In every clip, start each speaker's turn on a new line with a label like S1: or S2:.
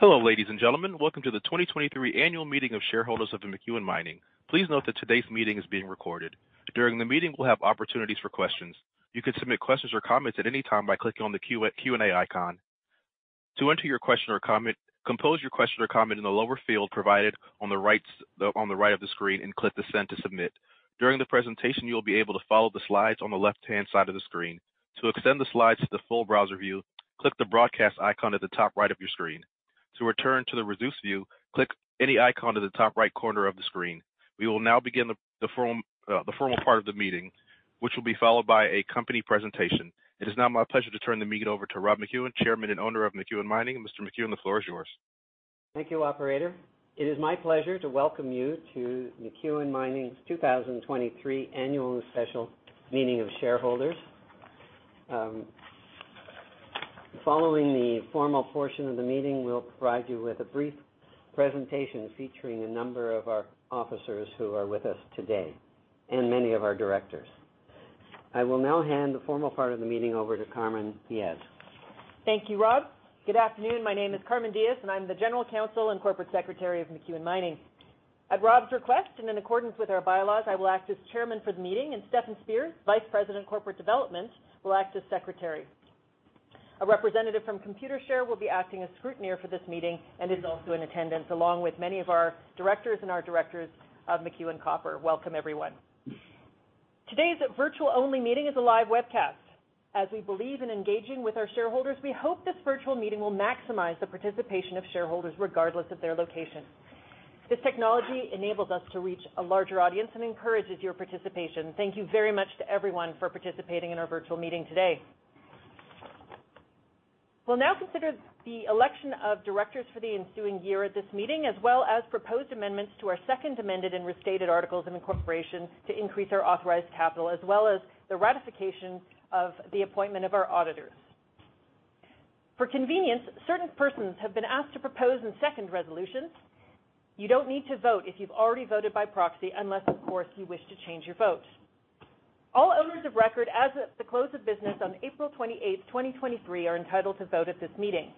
S1: Hello, ladies and gentlemen. Welcome to the 2023 Annual Meeting of Shareholders of McEwen Mining. Please note that today's meeting is being recorded. During the meeting, we'll have opportunities for questions. You can submit questions or comments at any time by clicking on the Q&A icon. To enter your question or comment, compose your question or comment in the lower field provided on the rights, on the right of the screen, and click the Send to submit. During the presentation, you'll be able to follow the slides on the left-hand side of the screen. To extend the slides to the full browser view, click the broadcast icon at the top right of your screen. To return to the reduced view, click any icon at the top right corner of the screen. We will now begin the formal part of the meeting, which will be followed by a company presentation. It is now my pleasure to turn the meeting over to Rob McEwen, Chairman and Owner of McEwen Mining. Mr. McEwen, the floor is yours.
S2: Thank you, Operator. It is my pleasure to welcome you to McEwen Mining's 2023 Annual and Special Meeting of Shareholders. Following the formal portion of the meeting, we'll provide you with a brief presentation featuring a number of our officers who are with us today, and many of our directors. I will now hand the formal part of the meeting over to Carmen Diges.
S3: Thank you, Rob. Good afternoon. My name is Carmen Diges, and I'm the General Counsel and Corporate Secretary of McEwen Mining. At Rob's request, and in accordance with our bylaws, I will act as Chairman for the meeting, and Stefan Spears, Vice President of Corporate Development, will act as Secretary. A representative from Computershare will be acting as scrutineer for this meeting and is also in attendance, along with many of our directors and our directors of McEwen Copper. Welcome, everyone. Today's virtual-only meeting is a live webcast. As we believe in engaging with our shareholders, we hope this virtual meeting will maximize the participation of shareholders regardless of their location. This technology enables us to reach a larger audience and encourages your participation. Thank you very much to everyone for participating in our virtual meeting today. We'll now consider the election of directors for the ensuing year at this meeting, as well as proposed amendments to our second amended and restated articles of incorporation to increase our authorized capital, as well as the ratification of the appointment of our auditors. For convenience, certain persons have been asked to propose and second resolutions. You don't need to vote if you've already voted by proxy, unless, of course, you wish to change your vote. All owners of record as of the close of business on April 28, 2023, are entitled to vote at this meeting.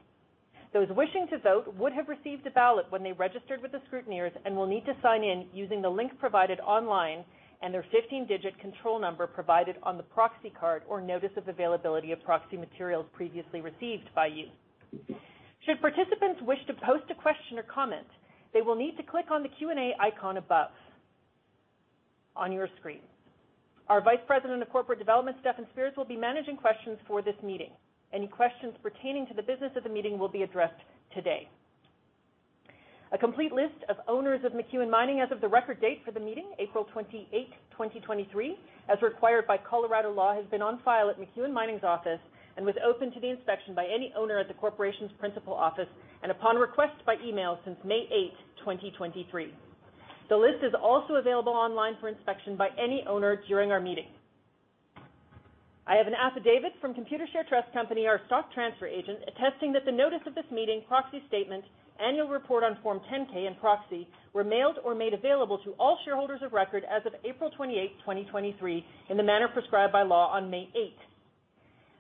S3: Those wishing to vote would have received a ballot when they registered with the scrutineers and will need to sign in using the link provided online and their 15-digit control number provided on the proxy card or notice of availability of proxy materials previously received by you. Should participants wish to post a question or comment, they will need to click on the Q&A icon above on your screen. Our Vice President of Corporate Development, Stefan Spears, will be managing questions for this meeting. Any questions pertaining to the business of the meeting will be addressed today. A complete list of owners of McEwen Mining as of the record date for the meeting, April 28, 2023, as required by Colorado law, has been on file at McEwen Mining's office and was open to the inspection by any owner at the corporation's principal office and upon request by email since May 8, 2023. The list is also available online for inspection by any owner during our meeting. I have an affidavit from Computershare Trust Company, our stock transfer agent, attesting that the notice of this meeting, proxy statement, annual report on Form 10-K and proxy, were mailed or made available to all shareholders of record as of April 28, 2023, in the manner prescribed by law on May 8.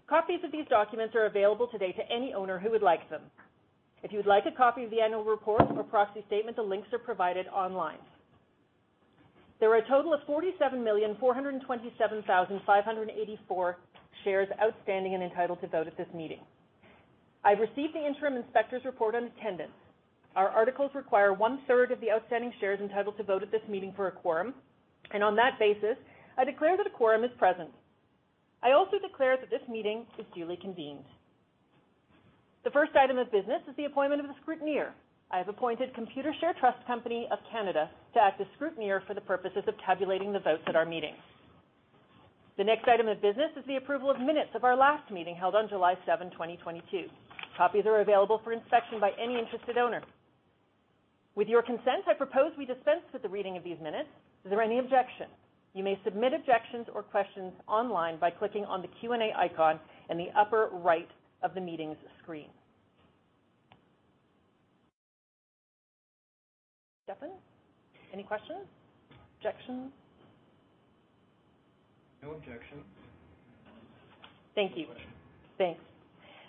S3: Copies of these documents are available today to any owner who would like them. If you would like a copy of the annual report or proxy statement, the links are provided online. There are a total of 47,427,584 shares outstanding and entitled to vote at this meeting. I've received the interim inspector's report on attendance. Our articles require 1/3 of the outstanding shares entitled to vote at this meeting for a quorum, and on that basis, I declare that a quorum is present. I also declare that this meeting is duly convened. The first item of business is the appointment of the scrutineer. I have appointed Computershare Trust Company of Canada to act as scrutineer for the purposes of tabulating the votes at our meeting. The next item of business is the approval of minutes of our last meeting, held on July 7, 2022. Copies are available for inspection by any interested owner. With your consent, I propose we dispense with the reading of these minutes. Is there any objection? You may submit objections or questions online by clicking on the Q&A icon in the upper right of the meeting's screen. Stefan, any questions, objections?
S4: No objections.
S3: Thank you. Thanks.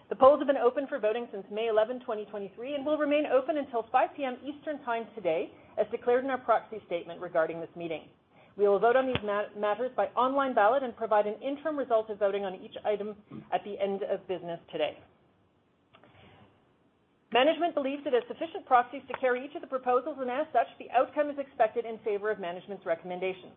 S3: The polls have been open for voting since May 11, 2023, and will remain open until 5:00 P.M. Eastern Time today, as declared in our proxy statement regarding this meeting. We will vote on these matters by online ballot and provide an interim result of voting on each item at the end of business today. Management believes it has sufficient proxies to carry each of the proposals, and as such, the outcome is expected in favor of management's recommendations.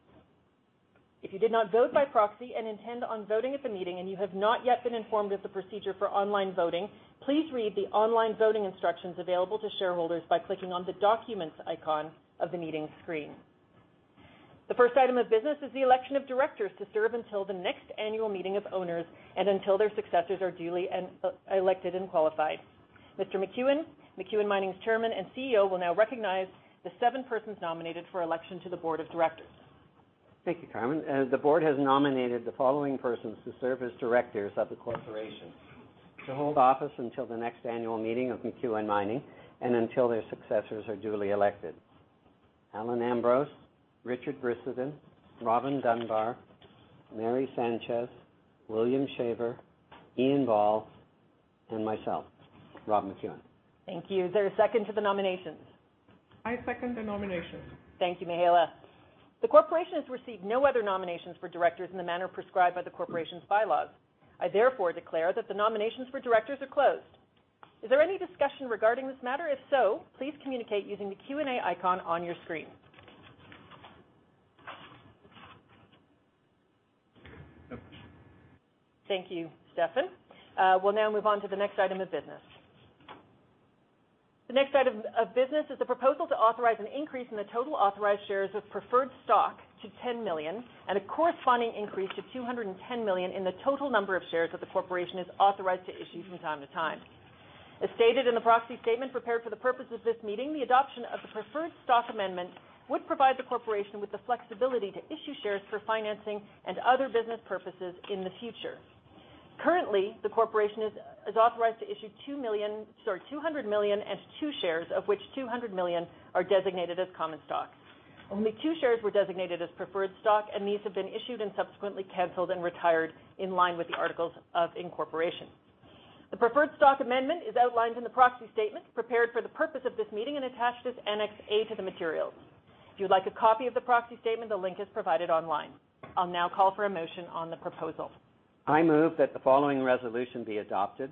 S3: If you did not vote by proxy and intend on voting at the meeting, and you have not yet been informed of the procedure for online voting, please read the online voting instructions available to shareholders by clicking on the Documents icon of the meeting screen. The first item of business is the election of directors to serve until the next annual meeting of owners and until their successors are duly and elected and qualified. Mr. McEwen, McEwen Mining's Chairman and CEO, will now recognize the seven persons nominated for election to the board of directors.
S2: Thank you, Carmen. The board has nominated the following persons to serve as directors of the corporation, to hold office until the next annual meeting of McEwen Mining and until their successors are duly elected. Allen Ambrose, Richard Brissenden, Robin Dunbar, Merri Sanchez, William Shaver, Ian Ball, and myself, Rob McEwen.
S3: Thank you. Is there a second to the nominations?
S5: I second the nominations.
S3: Thank you, Mihaela. The corporation has received no other nominations for directors in the manner prescribed by the corporation's bylaws. I therefore declare that the nominations for directors are closed. Is there any discussion regarding this matter? If so, please communicate using the Q&A icon on your screen.
S4: No.
S3: Thank you, Stefan. We'll now move on to the next item of business. The next item of business is the proposal to authorize an increase in the total authorized shares of preferred stock to 10 million, and a corresponding increase to 210 million in the total number of shares that the corporation is authorized to issue from time to time. As stated in the proxy statement prepared for the purpose of this meeting, the adoption of the preferred stock amendment would provide the corporation with the flexibility to issue shares for financing and other business purposes in the future. Currently, the corporation is authorized to issue 2 million, sorry, 200,000,002 shares, of which 200 million are designated as common stock. Only two shares were designated as preferred stock. These have been issued and subsequently canceled and retired in line with the articles of incorporation. The preferred stock amendment is outlined in the proxy statement prepared for the purpose of this meeting and attached as Annex A to the materials. If you'd like a copy of the proxy statement, the link is provided online. I'll now call for a motion on the proposal.
S2: I move that the following resolution be adopted.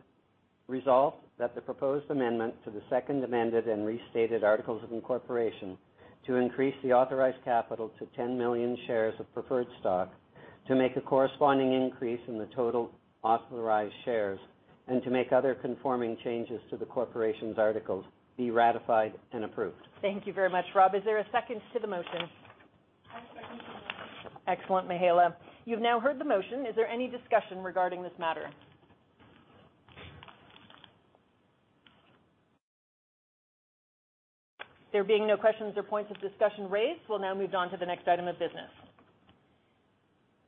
S2: Resolved that the proposed amendment to the second amended and restated articles of incorporation to increase the authorized capital to 10 million shares of preferred stock, to make a corresponding increase in the total authorized shares, and to make other conforming changes to the corporation's articles, be ratified and approved.
S3: Thank you very much, Rob. Is there a second to the motion?
S5: I second to the motion.
S3: Excellent, Mihaela. You've now heard the motion. Is there any discussion regarding this matter? There being no questions or points of discussion raised, we'll now move on to the next item of business.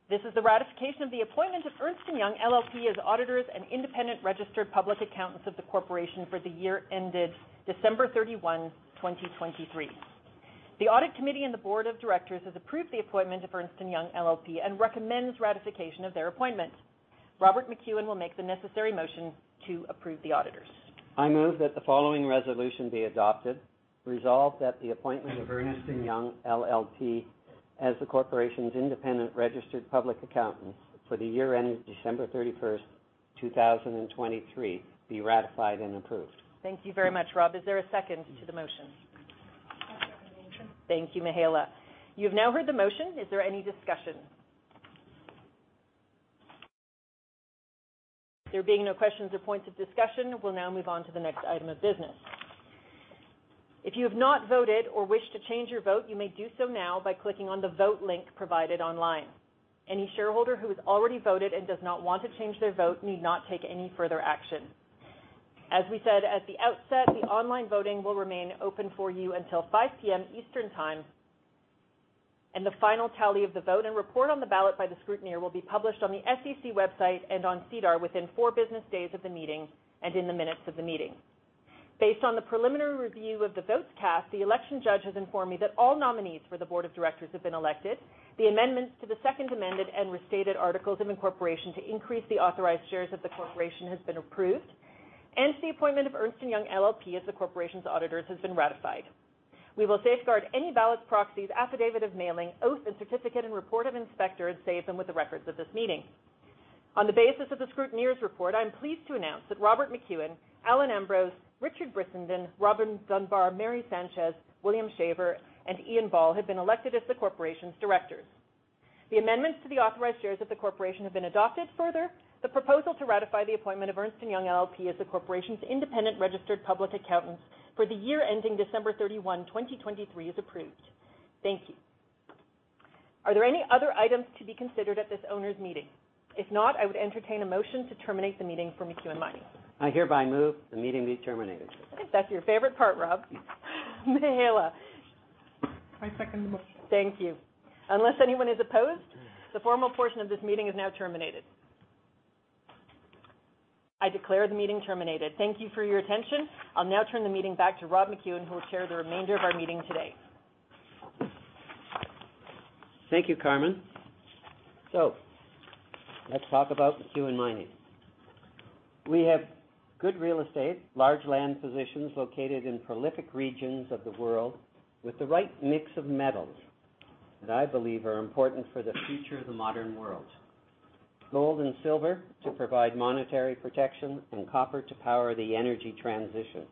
S3: This is the ratification of the appointment of EY (Ernst & Young) LLP as auditors and independent registered public accountants of the corporation for the year ended December 31, 2023. The audit committee and the board of directors has approved the appointment of EY (Ernst & Young) LLP and recommends ratification of their appointment. Robert McEwen will make the necessary motion to approve the auditors.
S2: I move that the following resolution be adopted. Resolved that the appointment of EY (Ernst & Young) LLP, as the corporation's independent registered public accountants for the year ending December 31st, 2023, be ratified and approved.
S3: Thank you very much, Rob. Is there a second to the motion?
S5: I second the motion.
S3: Thank you, Mihaela. You've now heard the motion. Is there any discussion? There being no questions or points of discussion, we'll now move on to the next item of business. If you have not voted or wish to change your vote, you may do so now by clicking on the Vote link provided online. Any shareholder who has already voted and does not want to change their vote need not take any further action. As we said at the outset, the online voting will remain open for you until 5:00 P.M. Eastern Time, and the final tally of the vote and report on the ballot by the scrutineer will be published on the SEC website and on SEDAR within four business days of the meeting and in the minutes of the meeting. Based on the preliminary review of the votes cast, the election judge has informed me that all nominees for the board of directors have been elected, the amendments to the second amended and restated articles of incorporation to increase the authorized shares of the corporation has been approved, and the appointment of EY (Ernst & Young) LLP as the corporation's auditors has been ratified. We will safeguard any ballots, proxies, affidavit of mailing, oath and certificate, and report of inspector, and save them with the records of this meeting. On the basis of the scrutineer's report, I'm pleased to announce that Robert McEwen, Allen Ambrose, Richard Brissenden, Robin Dunbar, Merri Sanchez, William Shaver, and Ian Ball have been elected as the corporation's directors. The amendments to the authorized shares of the corporation have been adopted. The proposal to ratify the appointment of EY (Ernst & Young) LLP as the corporation's independent registered public accountants for the year ending December 31, 2023, is approved. Thank you. Are there any other items to be considered at this owners' meeting? If not, I would entertain a motion to terminate the meeting for McEwen Mining.
S2: I hereby move the meeting be terminated.
S3: That's your favorite part, Rob. Mihaela?
S5: I second the motion.
S3: Thank you. Unless anyone is opposed, the formal portion of this meeting is now terminated. I declare the meeting terminated. Thank you for your attention. I'll now turn the meeting back to Rob McEwen, who will chair the remainder of our meeting today.
S2: Thank you, Carmen. Let's talk about McEwen Mining. We have good real estate, large land positions located in prolific regions of the world with the right mix of metals that I believe are important for the future of the modern world. Gold and silver to provide monetary protection, and copper to power the energy transition.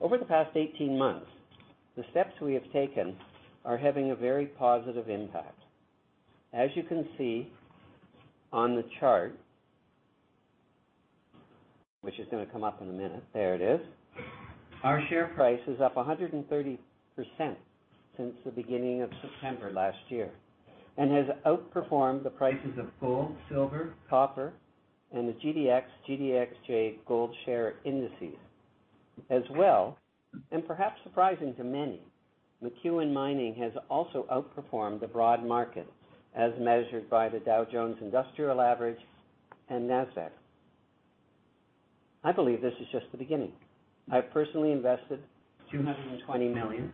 S2: Over the past 18 months, the steps we have taken are having a very positive impact. As you can see on the chart... Which is going to come up in a minute. There it is. Our share price is up 130% since the beginning of September last year, and has outperformed the prices of gold, silver, copper, and the GDX, GDXJ gold share indices. As well, and perhaps surprising to many, McEwen Mining has also outperformed the broad market, as measured by the DJIA and Nasdaq. I believe this is just the beginning. I've personally invested $220 million,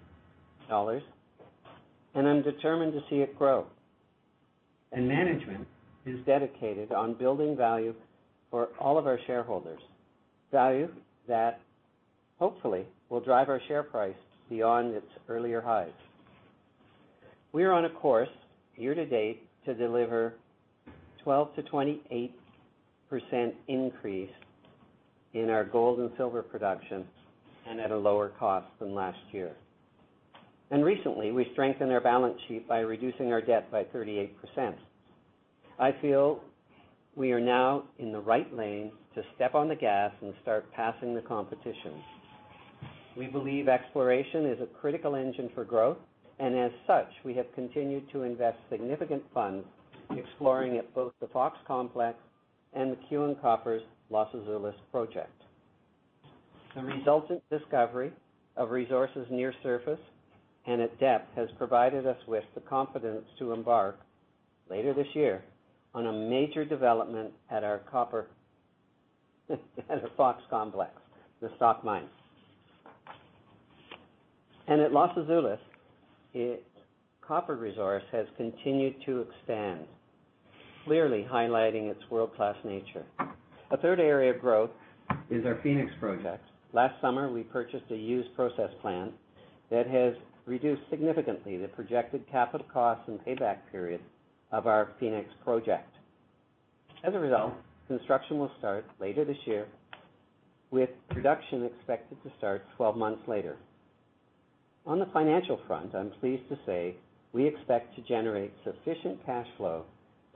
S2: and I'm determined to see it grow. Management is dedicated on building value for all of our shareholders. Value that hopefully will drive our share price beyond its earlier highs. We are on a course year-to-date to deliver 12%-28% increase in our gold and silver production and at a lower cost than last year. Recently, we strengthened our balance sheet by reducing our debt by 38%. I feel we are now in the right lane to step on the gas and start passing the competition. We believe exploration is a critical engine for growth, and as such, we have continued to invest significant funds exploring at both the Fox Complex and McEwen Copper's Los Azules project. The resultant discovery of resources near surface and at depth has provided us with the confidence to embark, later this year, on a major development at our copper at the Fox Complex, the Stock Mine. At Los Azules, its copper resource has continued to expand, clearly highlighting its world-class nature. A third area of growth is our Fenix project. Last summer, we purchased a used process plant that has reduced significantly the projected capital costs and payback period of our Fenix project. As a result, construction will start later this year, with production expected to start 12 months later. On the financial front, I'm pleased to say we expect to generate sufficient cash flow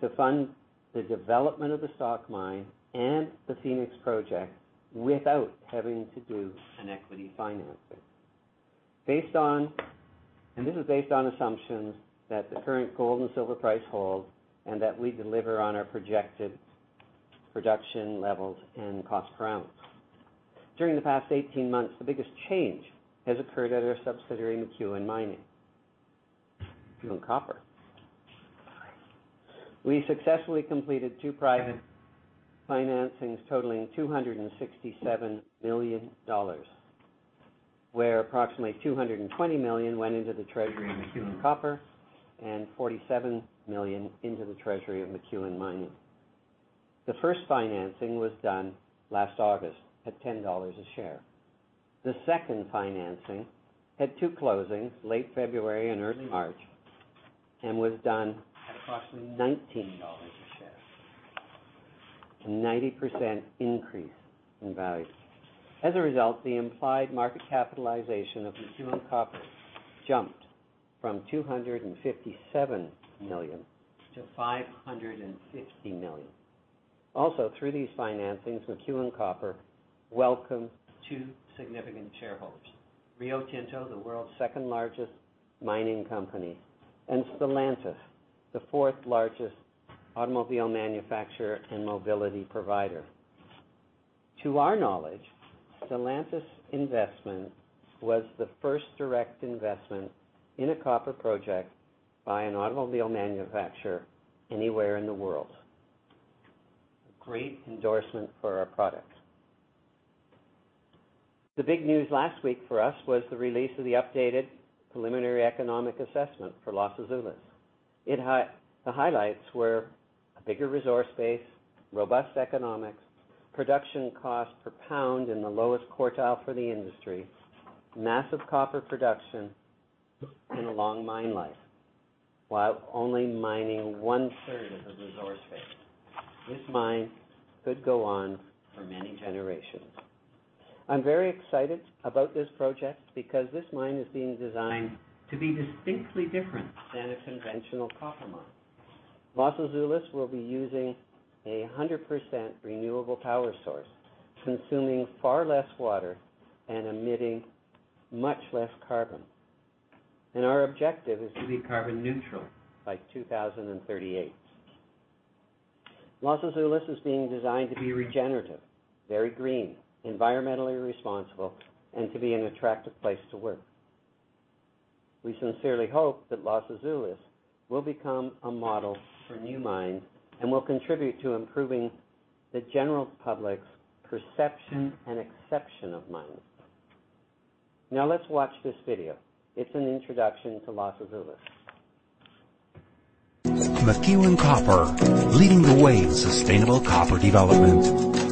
S2: to fund the development of the Stock Mine and the Fenix project without having to do an equity financing. Based on... This is based on assumptions that the current gold and silver price hold, and that we deliver on our projected production levels and cost per ounce. During the past 18 months, the biggest change has occurred at our subsidiary, McEwen Mining, McEwen Copper. We successfully completed two private financings totaling $267 million, where approximately $220 million went into the treasury of McEwen Copper and $47 million into the treasury of McEwen Mining. The first financing was done last August at $10 a share. The second financing had two closings, late February and early March, and was done at approximately $19 a share, a 90% increase in value. As a result, the implied market capitalization of McEwen Copper jumped from $257 million to $550 million. Through these financings, McEwen Copper welcomed two significant shareholders, Rio Tinto, the world's second-largest mining company, and Stellantis, the fourth-largest automobile manufacturer and mobility provider. To our knowledge, Stellantis' investment was the first direct investment in a copper project by an automobile manufacturer anywhere in the world. A great endorsement for our products. The big news last week for us was the release of the updated preliminary economic assessment for Los Azules. The highlights were a bigger resource base, robust economics, production cost per pound in the lowest quartile for the industry, massive copper production, and a long mine life, while only mining one-third of the resource base. This mine could go on for many generations. I'm very excited about this project because this mine is being designed to be distinctly different than a conventional copper mine. Los Azules will be using 100% renewable power source, consuming far less water and emitting much less carbon. Our objective is to be carbon neutral by 2038. Los Azules is being designed to be regenerative, very green, environmentally responsible, and to be an attractive place to work. We sincerely hope that Los Azules will become a model for new mines and will contribute to improving the general public's perception and exception of mines. Now, let's watch this video. It's an introduction to Los Azules.
S6: McEwen Copper, leading the way in sustainable copper development.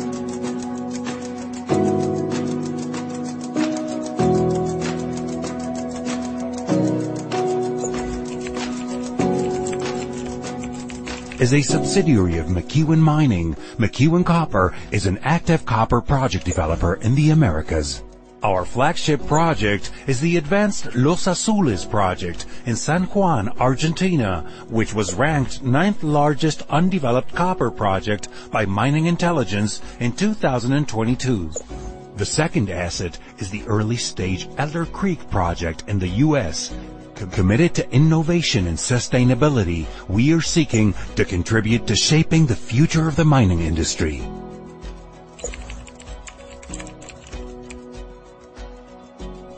S6: As a subsidiary of McEwen Mining, McEwen Copper is an active copper project developer in the Americas. Our flagship project is the advanced Los Azules project in San Juan, Argentina, which was ranked ninth largest undeveloped copper project by Mining Intelligence in 2022. The second asset is the early-stage Elder Creek project in the U.S. Committed to innovation and sustainability, we are seeking to contribute to shaping the future of the mining industry.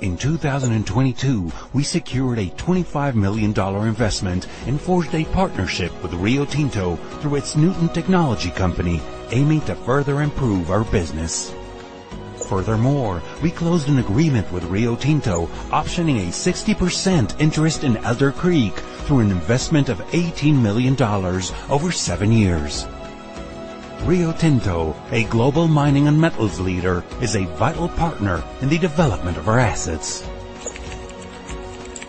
S6: In 2022, we secured a $25 million investment and forged a partnership with Rio Tinto through its Nuton Technology Company, aiming to further improve our business. We closed an agreement with Rio Tinto, optioning a 60% interest in Elder Creek through an investment of $18 million over seven years. Rio Tinto, a global mining and metals leader, is a vital partner in the development of our assets.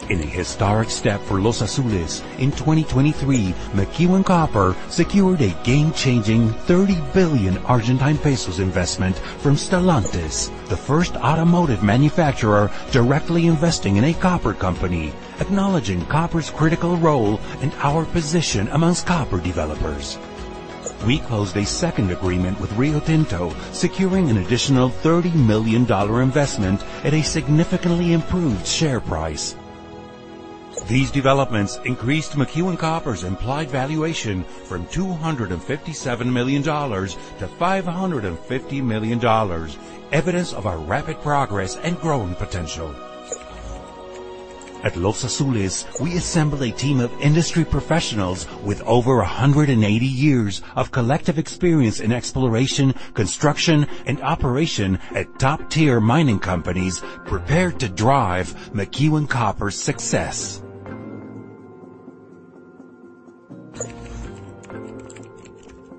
S6: In a historic step for Los Azules, in 2023, McEwen Copper secured a game-changing 30 billion Argentine pesos investment from Stellantis, the first automotive manufacturer directly investing in a copper company, acknowledging copper's critical role and our position amongst copper developers. We closed a second agreement with Rio Tinto, securing an additional $30 million investment at a significantly improved share price. These developments increased McEwen Copper's implied valuation from $257 million to $550 million, evidence of our rapid progress and growing potential. At Los Azules, we assembled a team of industry professionals with over 180 years of collective experience in exploration, construction, and operation at top-tier mining companies, prepared to drive McEwen Copper's success.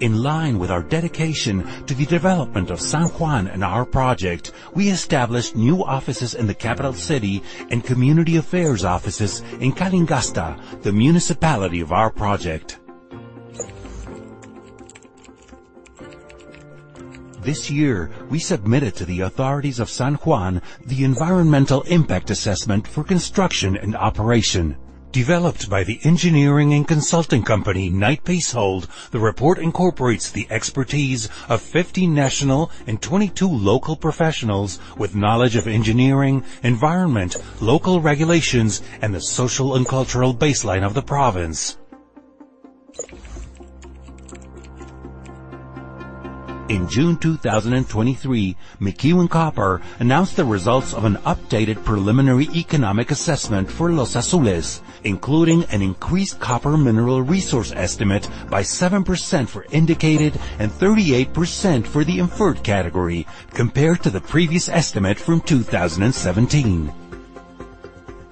S6: In line with our dedication to the development of San Juan and our project, we established new offices in the capital city and community affairs offices in Calingasta, the municipality of our project. This year, we submitted to the authorities of San Juan, the environmental impact assessment for construction and operation. Developed by the engineering and consulting company, Knight Piésold, the report incorporates the expertise of 50 national and 22 local professionals with knowledge of engineering, environment, local regulations, and the social and cultural baseline of the province. In June 2023, McEwen Copper announced the results of an updated preliminary economic assessment for Los Azules, including an increased copper mineral resource estimate by 7% for indicated and 38% for the inferred category, compared to the previous estimate from 2017.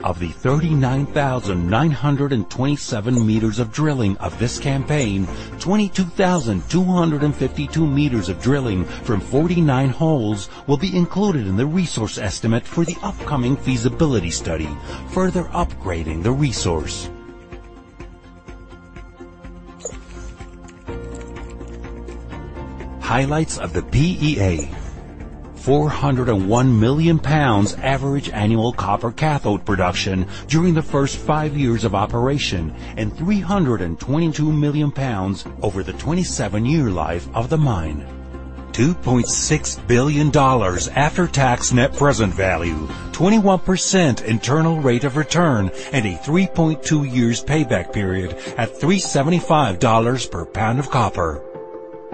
S6: Of the 39,927 meters of drilling of this campaign, 22,252 meters of drilling from 49 holes will be included in the resource estimate for the upcoming feasibility study, further upgrading the resource. Highlights of the PEA: 401 million lbs average annual copper cathode production during the first five years of operation, and 322 million lbs over the 27-year life of the mine. $2.6 billion after-tax net present value, 21% internal rate of return, and a 3.2 years payback period at $3.75 per lb of copper.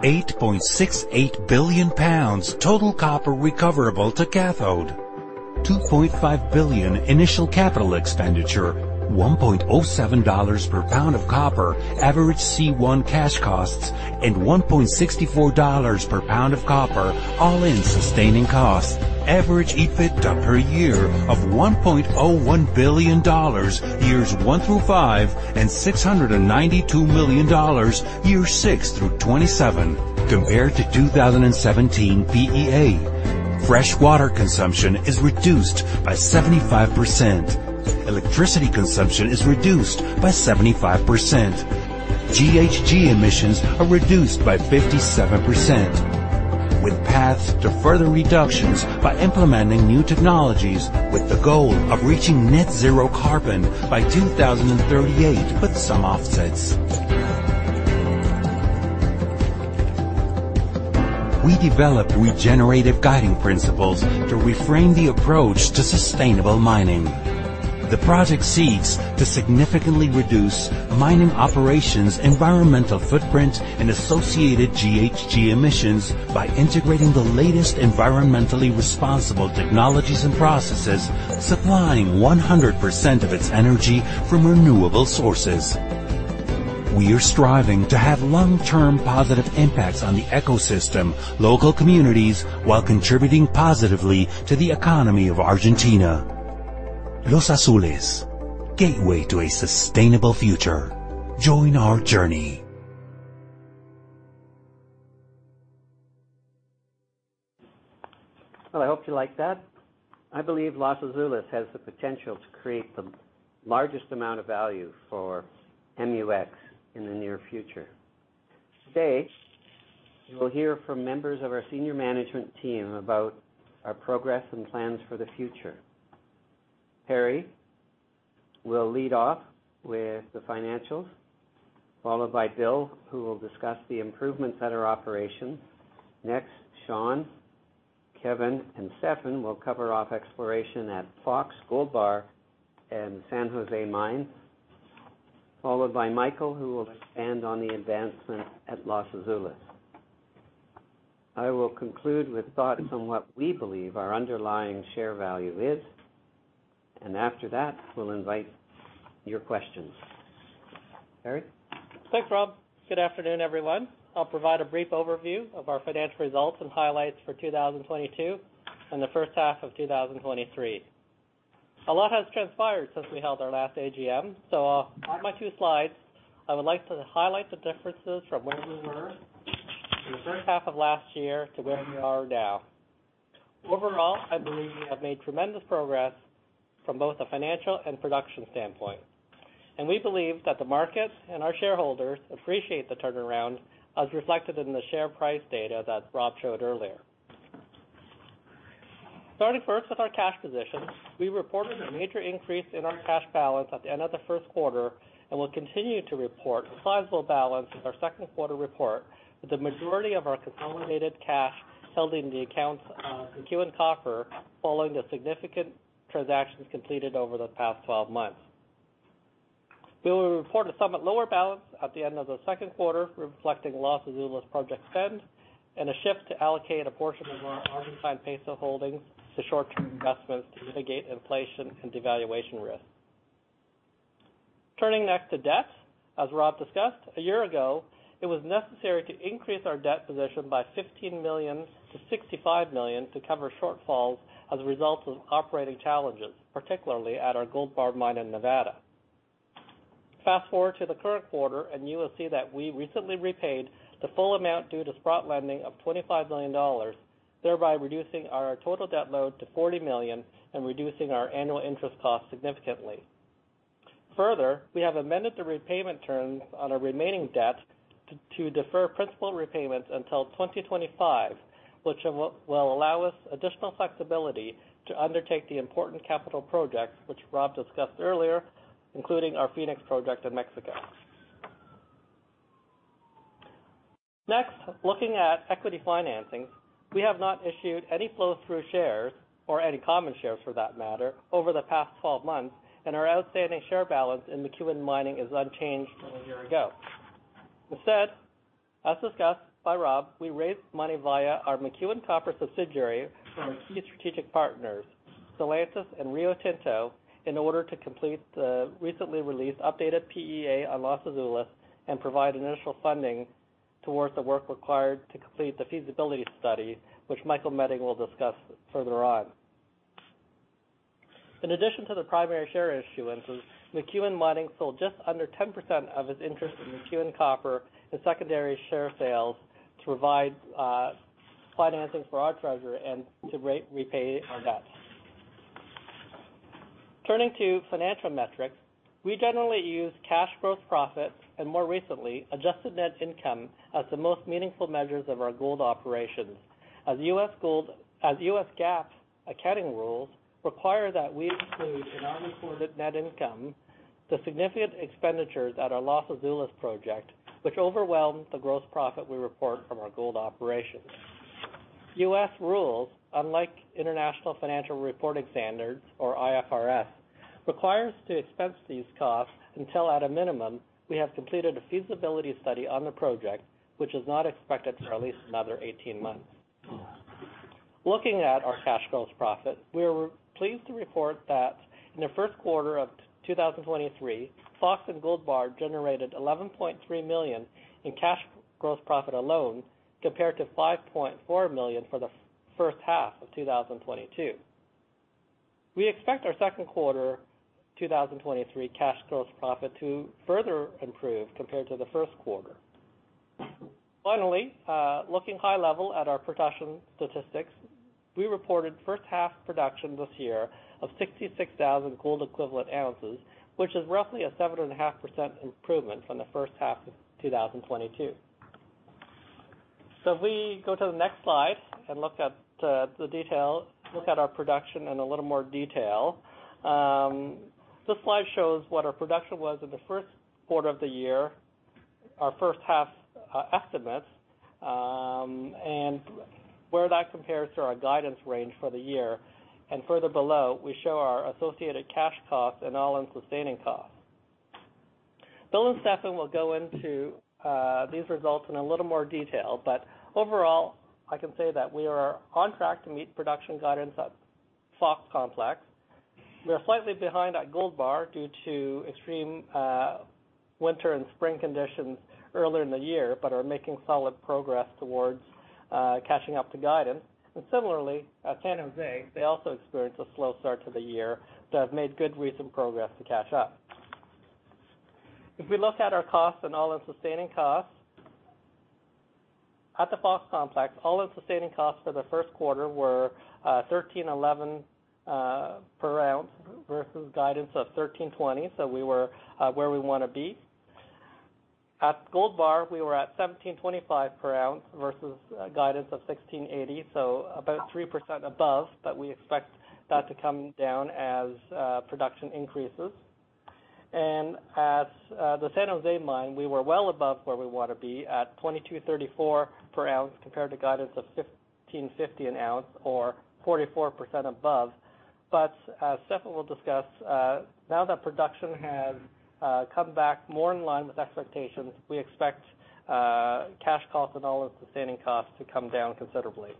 S6: 8.68 billion lbs total copper recoverable to cathode, $2.5 billion initial capital expenditure, $1.07 per lb of copper, average C1 cash costs, and $1.64 per lb of copper all-in sustaining costs. Average EBITDA per year of $1.01 billion, years one through five, and $692 million, years six through 27. Compared to 2017 PEA, fresh water consumption is reduced by 75%, electricity consumption is reduced by 75%, GHG emissions are reduced by 57%, with paths to further reductions by implementing new technologies, with the goal of reaching net zero carbon by 2038, with some offsets. We developed regenerative guiding principles to reframe the approach to sustainable mining. The project seeks to significantly reduce mining operations, environmental footprint, and associated GHG emissions by integrating the latest environmentally responsible technologies and processes, supplying 100% of its energy from renewable sources. We are striving to have long-term positive impacts on the ecosystem, local communities, while contributing positively to the economy of Argentina. Los Azules, gateway to a sustainable future. Join our journey!
S2: Well, I hope you like that. I believe Los Azules has the potential to create the largest amount of value for MUX in the near future. Today, you will hear from members of our senior management team about our progress and plans for the future. Perry will lead off with the financials, followed by Bill, who will discuss the improvements at our operation. Sean, Kevin, and Stephen will cover off exploration at Fox, Gold Bar, and San José Mine, followed by Michael, who will expand on the advancements at Los Azules. I will conclude with thoughts on what we believe our underlying share value is, and after that, we'll invite your questions. Perry?
S7: Thanks, Rob. Good afternoon, everyone. I'll provide a brief overview of our financial results and highlights for 2022 and the first half of 2023. A lot has transpired since we held our last AGM, so on my two slides, I would like to highlight the differences from where we were in the first half of last year to where we are now. Overall, I believe we have made tremendous progress from both a financial and production standpoint, and we believe that the markets and our shareholders appreciate the turnaround, as reflected in the share price data that Rob showed earlier. Starting first with our cash position, we reported a major increase in our cash balance at the end of the first quarter, and will continue to report a sizable balance in our second quarter report, with the majority of our consolidated cash held in the accounts, McEwen Copper, following the significant transactions completed over the past 12 months. We will report a somewhat lower balance at the end of the second quarter, reflecting Los Azules' project spend and a shift to allocate a portion of our Argentine peso holdings to short-term investments to mitigate inflation and devaluation risk. Turning next to debt. As Rob discussed, a year ago, it was necessary to increase our debt position by $15 million to $65 million to cover shortfalls as a result of operating challenges, particularly at our Gold Bar Mine in Nevada. Fast forward to the current quarter, you will see that we recently repaid the full amount due to Sprott Lending of $25 million, thereby reducing our total debt load to $40 million and reducing our annual interest costs significantly. Further, we have amended the repayment terms on our remaining debt to defer principal repayments until 2025, which will allow us additional flexibility to undertake the important capital projects, which Rob discussed earlier, including our Fenix project in Mexico. Next, looking at equity financings. We have not issued any flow-through shares, or any common shares for that matter, over the past 12 months, and our outstanding share balance in McEwen Mining is unchanged from a year ago. Instead, as discussed by Rob, we raised money via our McEwen Copper subsidiary from our key strategic partners, Stellantis and Rio Tinto, in order to complete the recently released updated PEA on Los Azules and provide initial funding towards the work required to complete the feasibility study, which Michael Meding will discuss further on. In addition to the primary share issuances, McEwen Mining sold just under 10% of its interest in McEwen Copper and secondary share sales to provide financing for our treasury and to repay our debts. Turning to financial metrics, we generally use cash gross profit, and more recently, adjusted net income, as the most meaningful measures of our gold operations. As U.S. GAAP accounting rules require that we include in our reported net income the significant expenditures at our Los Azules project, which overwhelmed the gross profit we report from our gold operations. U.S. rules, unlike International Financial Reporting Standards, or IFRS, require us to expense these costs until, at a minimum, we have completed a feasibility study on the project, which is not expected for at least another 18 months. Looking at our cash gross profit, we are pleased to report that in the first quarter of 2023, Fox and Gold Bar generated $11.3 million in cash gross profit alone, compared to $5.4 million for the first half of 2022. We expect our second quarter 2023 cash gross profit to further improve compared to the first quarter. Finally, looking high level at our production statistics, we reported first half production this year of 66,000 gold equivalent ounces, which is roughly a 7.5% improvement from the first half of 2022. If we go to the next slide and look at the details, look at our production in a little more detail. This slide shows what our production was in the first quarter of the year, our first half estimates, and where that compares to our guidance range for the year. Further below, we show our associated cash costs and all-in sustaining costs. Bill and Stefan will go into these results in a little more detail, but overall, I can say that we are on track to meet production guidance at Fox Complex. We are slightly behind at Gold Bar due to extreme winter and spring conditions earlier in the year, but are making solid progress towards catching up to guidance. Similarly, at San José, they also experienced a slow start to the year, but have made good recent progress to catch up. If we look at our costs and all-in sustaining costs, at the Fox Complex, all-in sustaining costs for the first quarter were $1,311 per oz, versus guidance of $1,320 per oz, so we were where we want to be. At Gold Bar, we were at $1,725 per oz versus guidance of $1,680 per oz, so about 3% above, but we expect that to come down as production increases. At the San José Mine, we were well above where we want to be at $2,234 per oz, compared to guidance of $1,550 an oz, or 44% above. As Stefan will discuss, now that production has come back more in line with expectations, we expect cash costs and all-in sustaining costs to come down considerably.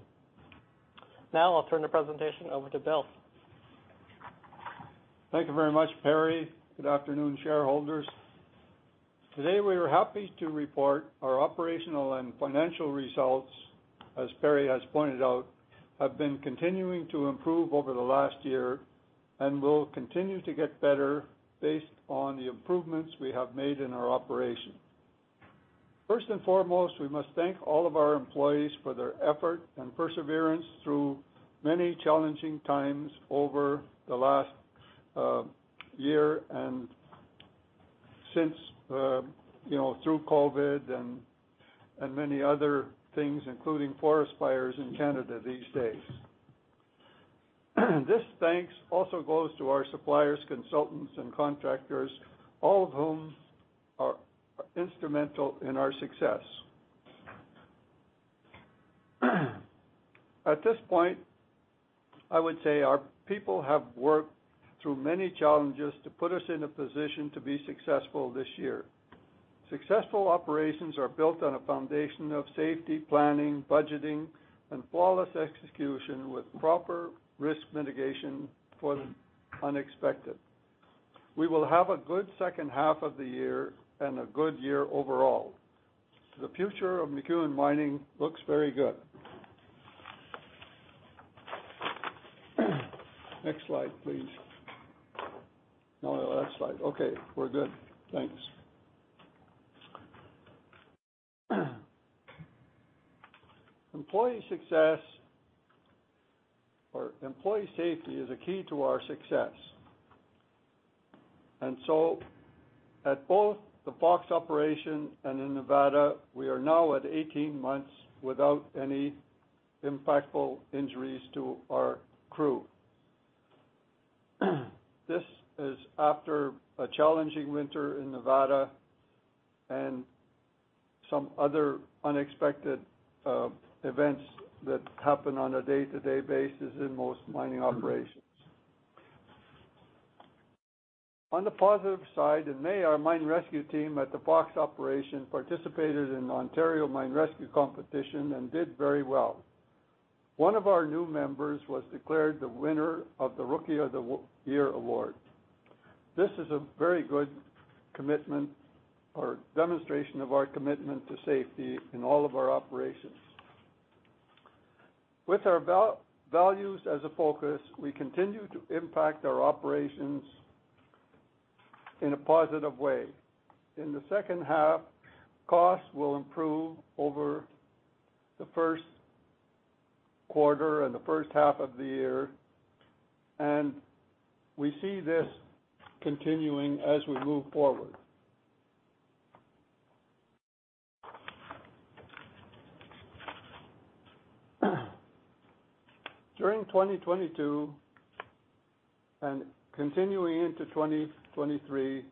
S7: I'll turn the presentation over to Bill.
S8: Thank you very much, Perry. Good afternoon, shareholders. Today, we are happy to report our operational and financial results, as Perry has pointed out, have been continuing to improve over the last year, will continue to get better based on the improvements we have made in our operation. First and foremost, we must thank all of our employees for their effort and perseverance through many challenging times over the last year, since, you know, through COVID and many other things, including forest fires in Canada these days. This thanks also goes to our suppliers, consultants, and contractors, all of whom are instrumental in our success. At this point, I would say our people have worked through many challenges to put us in a position to be successful this year. Successful operations are built on a foundation of safety, planning, budgeting, and flawless execution, with proper risk mitigation for the unexpected. We will have a good second half of the year and a good year overall. The future of McEwen Mining looks very good. Next slide, please. No, last slide. Okay, we're good. Thanks. Employee success or employee safety is a key to our success. At both the Fox operation and in Nevada, we are now at 18 months without any impactful injuries to our crew. This is after a challenging winter in Nevada and some other unexpected events that happen on a day-to-day basis in most mining operations. On the positive side, in May, our mine rescue team at the Fox operation participated in the Ontario Mine Rescue Competition and did very well. One of our new members was declared the winner of the Rookie of the Year award. This is a very good commitment or demonstration of our commitment to safety in all of our operations. With our values as a focus, we continue to impact our operations in a positive way. In the second half, costs will improve over the first quarter and the first half of the year. We see this continuing as we move forward. During 2022, continuing into 2023,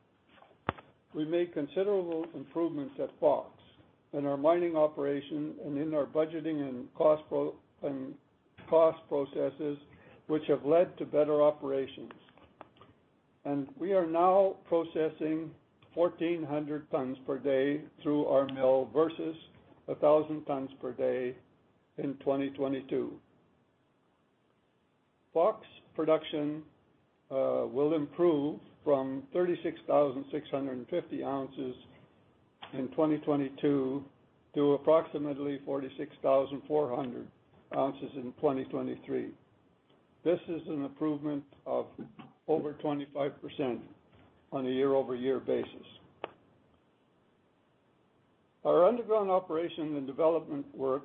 S8: we made considerable improvements at Fox in our mining operation and in our budgeting and cost processes, which have led to better operations. We are now processing 1,400 tons per day through our mill versus 1,000 tons per day in 2022. Fox production will improve from 36,650 oz in 2022 to approximately 46,400 oz in 2023. This is an improvement of over 25% on a year-over-year basis. Our underground operation and development work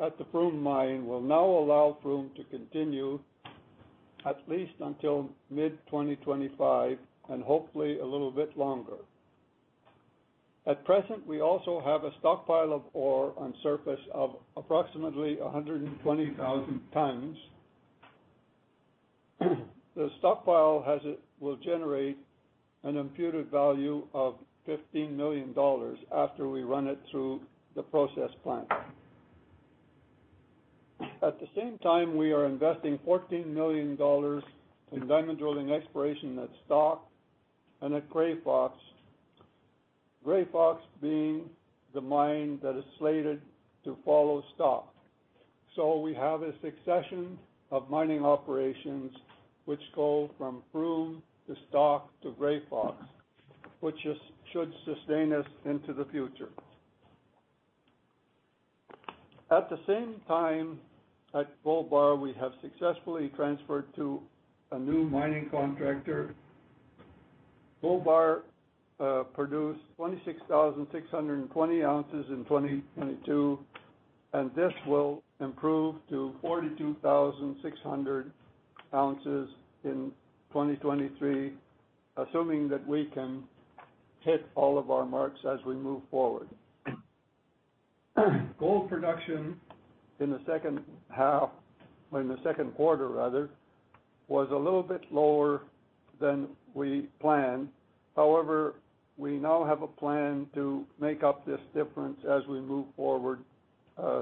S8: at the Froome Mine will now allow Froome to continue at least until mid-2025, and hopefully a little bit longer. At present, we also have a stockpile of ore on surface of approximately 120,000 tons. The stockpile will generate an imputed value of $15 million after we run it through the process plant. At the same time, we are investing $14 million in diamond drilling exploration at Stock and at Gray Fox, Gray Fox being the mine that is slated to follow Stock. We have a succession of mining operations which go from Froome, to Stock, to Grey Fox, which is, should sustain us into the future. At the same time, at Gold Bar, we have successfully transferred to a new mining contractor. Gold Bar produced 26,620 oz in 2022, and this will improve to 42,600 oz in 2023, assuming that we can hit all of our marks as we move forward. Gold production in the second half, in the second quarter rather, was a little bit lower than we planned. However, we now have a plan to make up this difference as we move forward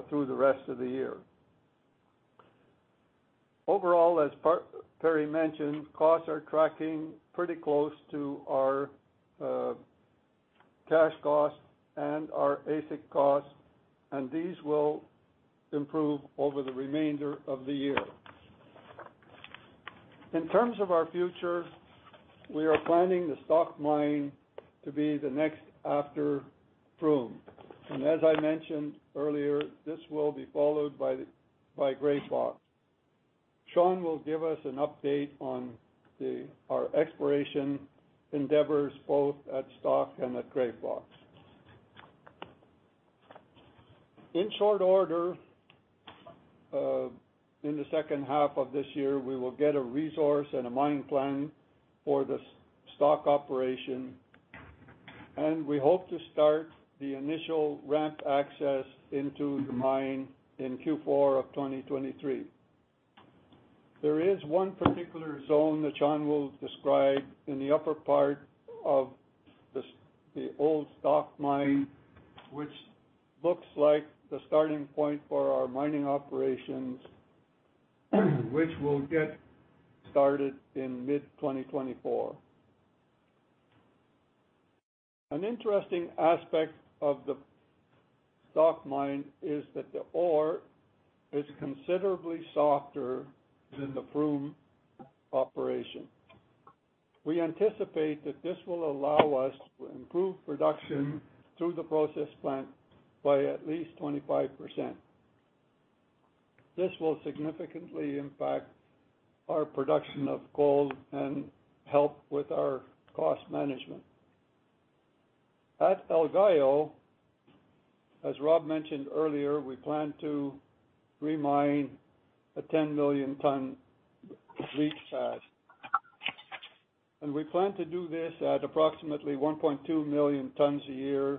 S8: through the rest of the year. Overall, as Perry mentioned, costs are tracking pretty close to our cash costs and our AISC costs, and these will improve over the remainder of the year. In terms of our future, we are planning the Stock Mine to be the next after Froome. As I mentioned earlier, this will be followed by Grey Fox. Sean will give us an update on our exploration endeavors, both at Stock and at Grey Fox. In short order, in the second half of this year, we will get a resource and a mine plan for the Stock operation, and we hope to start the initial ramp access into the mine in Q4 of 2023. There is one particular zone that Sean will describe in the upper part of the old Stock Mine, which looks like the starting point for our mining operations, which will get started in mid-2024. An interesting aspect of the Stock Mine is that the ore is considerably softer than the Froome operation. We anticipate that this will allow us to improve production through the process plant by at least 25%. This will significantly impact our production of gold and help with our cost management. At El Gallo, as Rob mentioned earlier, we plan to remine a 10 million ton leach pad. We plan to do this at approximately 1.2 million tons a year.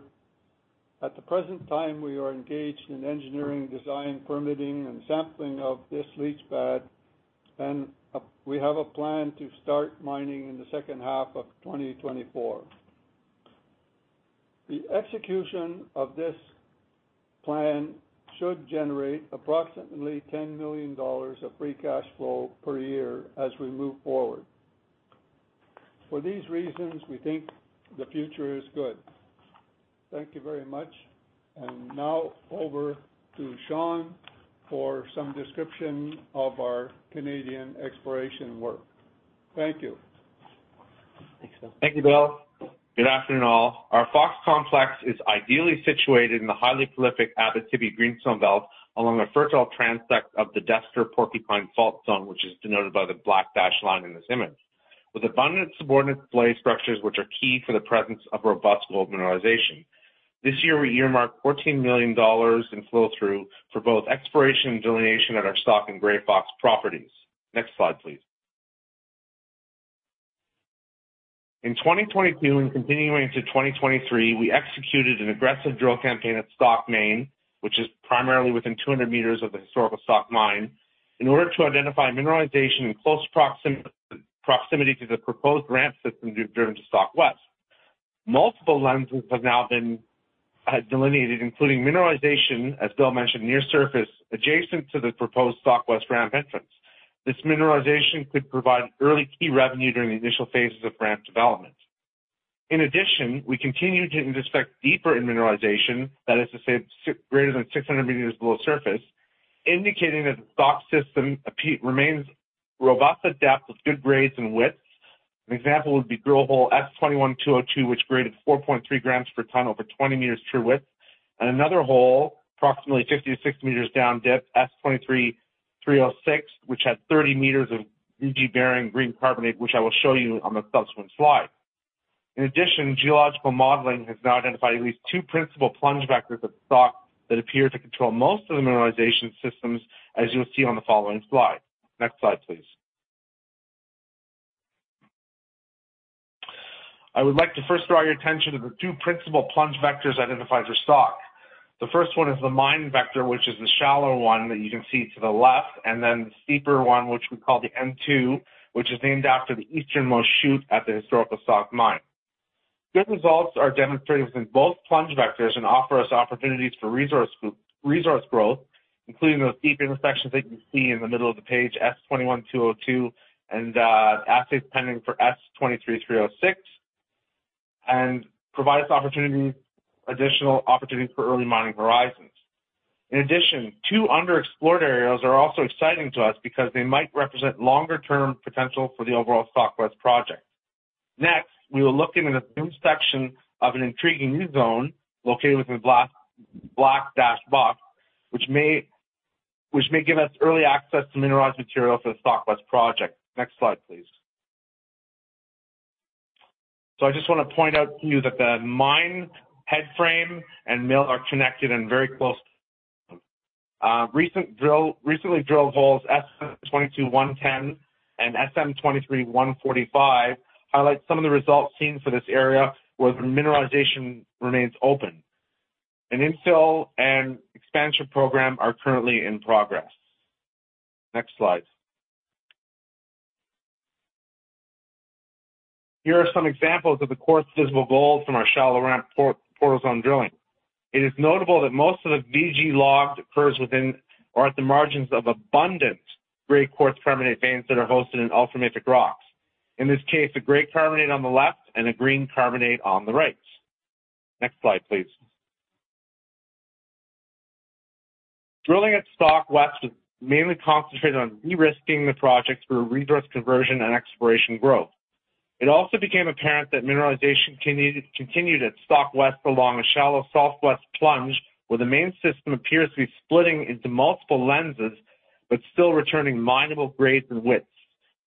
S8: At the present time, we are engaged in engineering, design, permitting, and sampling of this leach pad, and we have a plan to start mining in the second half of 2024. The execution of this plan should generate approximately $10 million of free cash flow per year as we move forward. For these reasons, we think the future is good. Thank you very much. Now over to Sean for some description of our Canadian exploration work. Thank you.
S9: Thanks, Bill. Thank you, Bill. Good afternoon, all. Our Fox Complex is ideally situated in the highly prolific Abitibi Greenstone Belt, along a fertile transect of the Destor-Porcupine Fault Zone, which is denoted by the black dashed line in this image, with abundant subordinate blade structures, which are key for the presence of robust gold mineralization. This year, we earmarked $14 million in flow-through for both exploration and delineation at our Stock and Grey Fox properties. Next slide, please. In 2022 and continuing into 2023, we executed an aggressive drill campaign at Stock Main, which is primarily within 200 meters of the historical Stock Mine, in order to identify mineralization in close proximity to the proposed ramp system we've driven to Stock West. Multiple lenses have now been delineated, including mineralization, as Bill mentioned, near surface, adjacent to the proposed Stock West ramp entrance. This mineralization could provide early key revenue during the initial phases of ramp development. We continue to intersect deeper in mineralization, that is to say, greater than 600 meters below surface, indicating that the Stock system remains robust, adapted with good grades and widths. An example would be drill hole S21-202, which graded 4.3 grams per ton over 20 meters true width. Another hole, approximately 50-60 meters down dip, S23-306, which had 30 meters of azurite-bearing green carbonate, which I will show you on the subsequent slide. Geological modeling has now identified at least two principal plunge vectors of Stock that appear to control most of the mineralization systems, as you'll see on the following slide. Next slide, please. I would like to first draw your attention to the two principal plunge vectors identified for Stock. The first one is the mine vector, which is the shallower one that you can see to the left, and then the steeper one, which we call the N2, which is named after the easternmost chute at the historical Stock Mine. Good results are demonstrated within both plunge vectors and offer us opportunities for resource growth, including those deep intersections that you see in the middle of the page, S21-202, and assays pending for S23-306, and provide us additional opportunities for early mining horizons. In addition, two underexplored areas are also exciting to us because they might represent longer term potential for the overall Stock West project. Next, we will look into the intersection of an intriguing new zone located within the black dashed box, which may give us early access to mineralized material for the Stock West project. Next slide, please. I just want to point out to you that the mine headframe and mill are connected and very close. Recently, drill holes SM22-110 and SM23-145 highlight some of the results seen for this area, where the mineralization remains open. An infill and expansion program are currently in progress. Next slide. Here are some examples of the coarse visible gold from our shallow ramp portal zone drilling. It is notable that most of the VG logged occurs within or at the margins of abundant gray quartz carbonate veins that are hosted in ultramafic rocks. In this case, a gray carbonate on the left and a green carbonate on the right. Next slide, please. Drilling at Stock West was mainly concentrated on de-risking the project through resource conversion and exploration growth. It also became apparent that mineralization continued at Stock West along a shallow southwest plunge, where the main system appears to be splitting into multiple lenses, but still returning mineable grades and widths.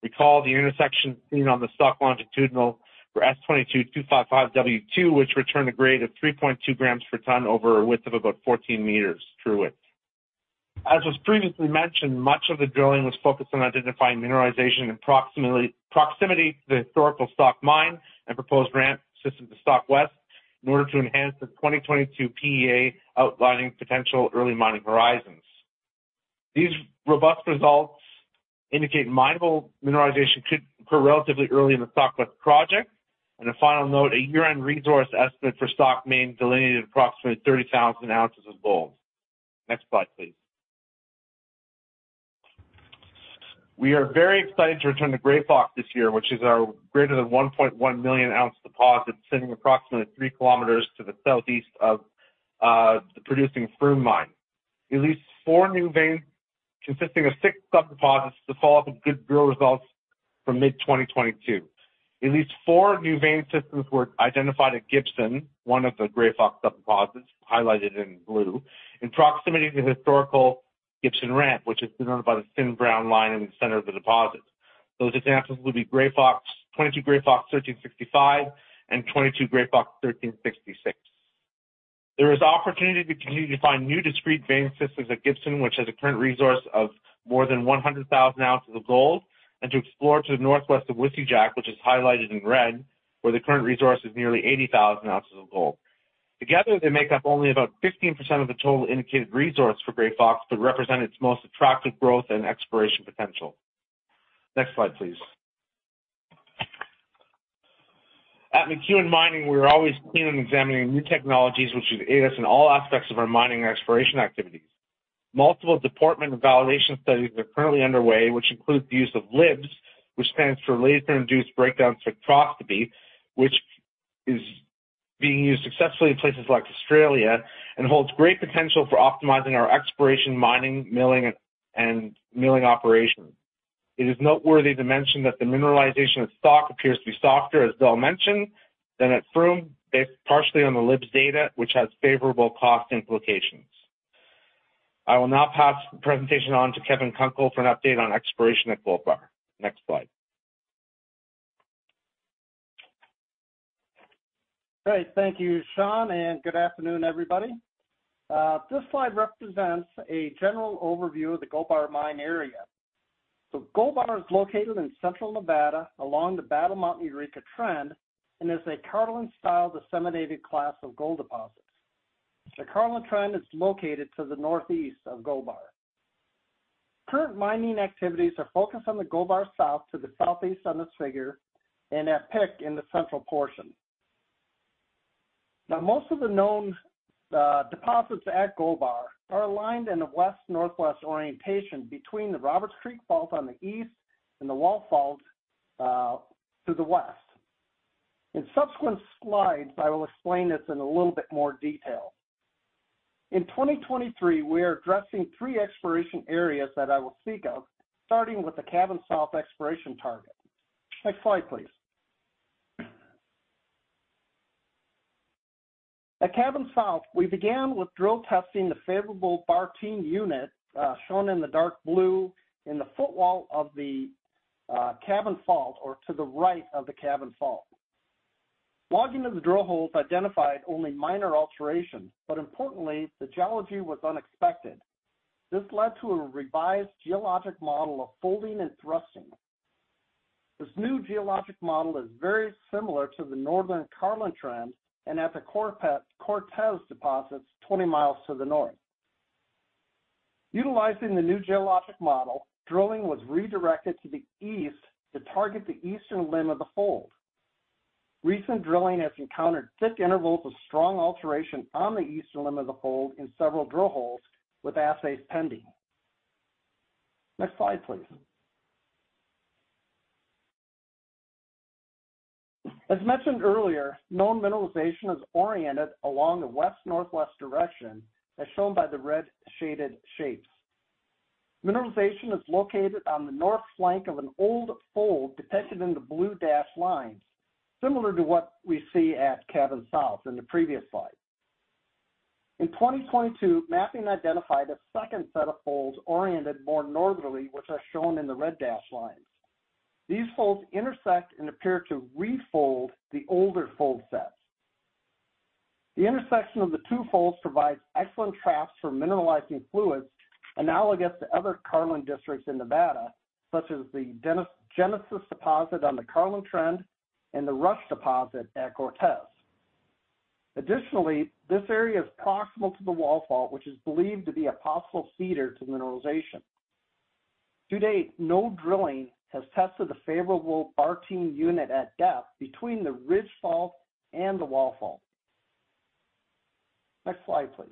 S9: Recall the intersection seen on the Stock longitudinal for S22-255W2, which returned a grade of 3.2 grams per ton over a width of about 14 meters true width. As was previously mentioned, much of the drilling was focused on identifying mineralization in proximity to the historical Stock Mine and proposed ramp system to Stock West, in order to enhance the 2022 PEA outlining potential early mining horizons. These robust results indicate mineable mineralization could occur relatively early in the Stock West project. A final note, a year-end resource estimate for Stock Main delineated approximately 30,000 oz of gold. Next slide, please. We are very excited to return to Gray Fox this year, which is our greater than 1.1 million oz deposit, sitting approximately 3 km to the southeast of the producing Froome Mine. At least four new veins consisting of six sub-deposits to follow up with good drill results from mid-2022. At least four new vein systems were identified at Gibson, one of the Grey Fox sub-deposits, highlighted in blue, in proximity to the historical Gibson ramp, which is denoted by the thin brown line in the center of the deposit. Those examples would be Grey Fox, 22 Grey Fox 1365, and 22 Grey Fox 1366. There is opportunity to continue to find new discrete vein systems at Gibson, which has a current resource of more than 100,000 oz of gold, and to explore to the northwest of Whiskey Jack, which is highlighted in red, where the current resource is nearly 80,000 oz of gold. Together, they make up only about 15% of the total indicated resource for Grey Fox, but represent its most attractive growth and exploration potential. Next slide, please. At McEwen Mining, we're always keen on examining new technologies which would aid us in all aspects of our mining exploration activities. Multiple department validation studies are currently underway, which include the use of LIBS, which stands for laser-induced breakdown spectroscopy, which is being used successfully in places like Australia and holds great potential for optimizing our exploration, mining, milling, and milling operations. It is noteworthy to mention that the mineralization of Stock appears to be softer, as Bill mentioned, than at Froome, based partially on the LIBS data, which has favorable cost implications. I will now pass the presentation on to Kevin Kunkel for an update on exploration at Gold Bar. Next slide.
S10: Great. Thank you, Sean, good afternoon, everybody. This slide represents a general overview of the Gold Bar Mine area. Gold Bar is located in central Nevada along the Battle Mountain-Eureka Trend and is a Carlin-style disseminated class of gold deposits. The Carlin Trend is located to the northeast of Gold Bar. Current mining activities are focused on the Gold Bar South to the southeast on this figure and at Pick in the central portion. Most of the known deposits at Gold Bar are aligned in a west-northwest orientation between the Roberts Creek Fault on the east and the Wall Fault to the west. In subsequent slides, I will explain this in a little bit more detail. In 2023, we are addressing three exploration areas that I will speak of, starting with the Cabin South exploration target. Next slide, please. At Cabin South, we began with drill testing the favorable Bartine unit, shown in the dark blue, in the footwall of the Cabin Fault or to the right of the Cabin Fault. Logging of the drill holes identified only minor alterations, but importantly, the geology was unexpected. This led to a revised geologic model of folding and thrusting. This new geologic model is very similar to the Northern Carlin Trend and at the Cortez deposits, 20 mi to the north. Utilizing the new geologic model, drilling was redirected to the east to target the eastern limb of the fold. Recent drilling has encountered thick intervals of strong alteration on the eastern limb of the fold in several drill holes, with assays pending. Next slide, please. As mentioned earlier, known mineralization is oriented along the west-northwest direction, as shown by the red shaded shapes. Mineralization is located on the north flank of an old fold, depicted in the blue dashed lines, similar to what we see at Cabin South in the previous slide. In 2022, mapping identified a second set of folds oriented more northerly, which are shown in the red dashed lines. These folds intersect and appear to refold the older fold sets. The intersection of the two folds provides excellent traps for mineralizing fluids, analogous to other Carlin districts in Nevada, such as the Genesis deposit on the Carlin Trend and the Goldrush deposit at Cortez. Additionally, this area is proximal to the wall fault, which is believed to be a possible feeder to mineralization. To date, no drilling has tested the favorable Bartine Member unit at depth between the Ridge Fault and the wall fault. Next slide, please.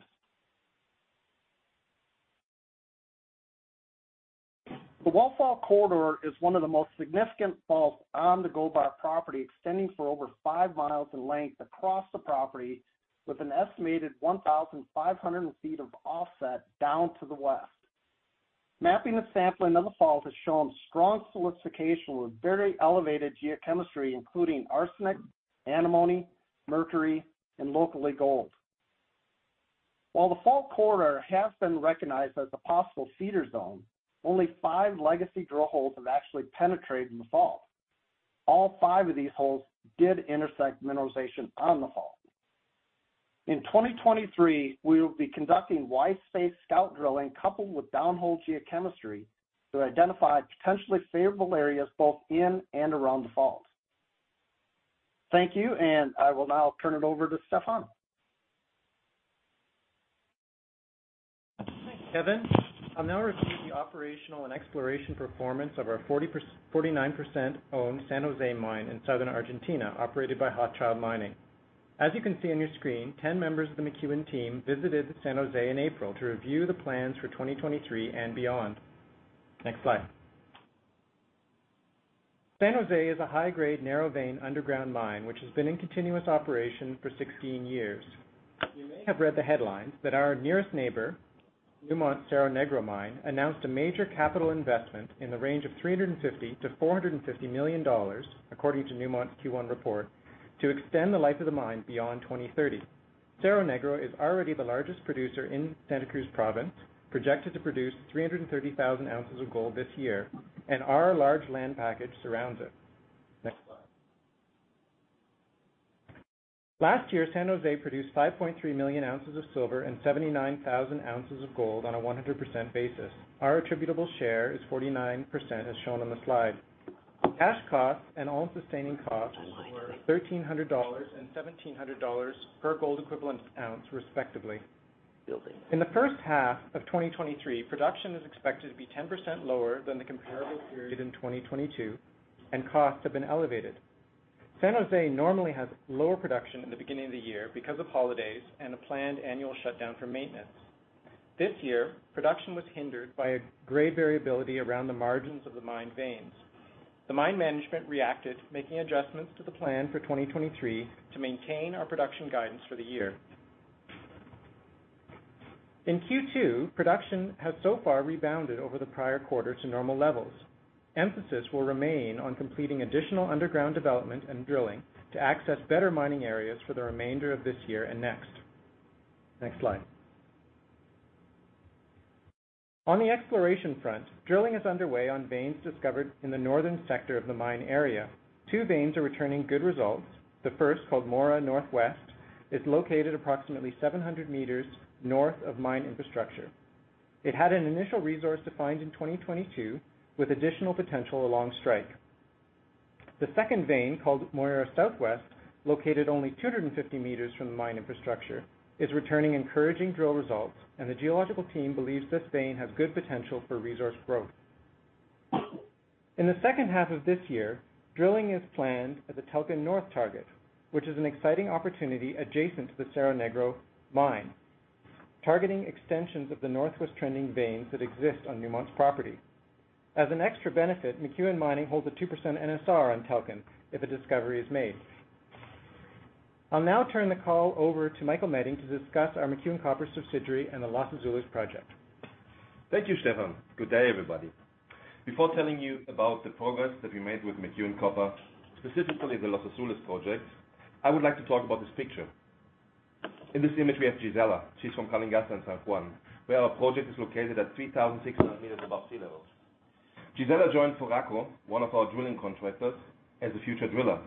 S10: The wall fault corridor is one of the most significant faults on the Gold Bar property, extending for over 5 mi in length across the property, with an estimated 1,500 ft of offset down to the west. Mapping the sampling of the fault has shown strong silicification with very elevated geochemistry, including arsenic, antimony, mercury, and locally, gold. While the fault corridor has been recognized as a possible feeder zone, only five legacy drill holes have actually penetrated the fault. All five of these holes did intersect mineralization on the fault. In 2023, we will be conducting wide-space scout drilling, coupled with downhole geochemistry, to identify potentially favorable areas both in and around the fault. Thank you. I will now turn it over to Stefan.
S4: Thanks, Kevin. I'll now review the operational and exploration performance of our 49% owned San José Mine in southern Argentina, operated by Hochschild Mining. As you can see on your screen, 10 members of the McEwen team visited San José in April to review the plans for 2023 and beyond. Next slide. San José is a high-grade, narrow vein, underground mine, which has been in continuous operation for 16 years. You may have read the headlines that our nearest neighbor, Newmont Cerro Negro Mine, announced a major capital investment in the range of $350 million-$450 million, according to Newmont's Q1 report, to extend the life of the mine beyond 2030. Cerro Negro is already the largest producer in Santa Cruz province, projected to produce 330,000 oz of gold this year. Our large land package surrounds it. Next slide. Last year, San José produced 5.3 million oz of silver and 79,000 ounces of gold on a 100% basis. Our attributable share is 49%, as shown on the slide. Cash costs and all-in sustaining costs were $1,300 and $1,700 per gold equivalent oz, respectively. In the first half of 2023, production is expected to be 10% lower than the comparable period in 2022. Costs have been elevated. San José normally has lower production in the beginning of the year because of holidays and a planned annual shutdown for maintenance. This year, production was hindered by a grade variability around the margins of the mine veins. The mine management reacted, making adjustments to the plan for 2023 to maintain our production guidance for the year. In Q2, production has so far rebounded over the prior quarter to normal levels. Emphasis will remain on completing additional underground development and drilling to access better mining areas for the remainder of this year and next. Next slide. On the exploration front, drilling is underway on veins discovered in the northern sector of the mine area. Two veins are returning good results. The first, called Mora Northwest, is located approximately 700 meters north of mine infrastructure. It had an initial resource defined in 2022, with additional potential along strike. The second vein, called Mora Southwest, located only 250 meters from the mine infrastructure, is returning encouraging drill results, and the geological team believes this vein has good potential for resource growth. In the second half of this year, drilling is planned at the Telken Norte Target, which is an exciting opportunity adjacent to the Cerro Negro mine, targeting extensions of the northwest-trending veins that exist on Newmont's property. As an extra benefit, McEwen Mining holds a 2% NSR on Telken if a discovery is made. I'll now turn the call over to Michael Meding to discuss our McEwen Copper subsidiary and the Los Azules project.
S11: Thank you, Stefan. Good day, everybody. Before telling you about the progress that we made with McEwen Copper, specifically the Los Azules project, I would like to talk about this picture. In this image, we have Gisella. She's from Calingasta in San Juan, where our project is located at 3,600 meters above sea level. Gisella joined Foraco, one of our drilling contractors, as a future driller.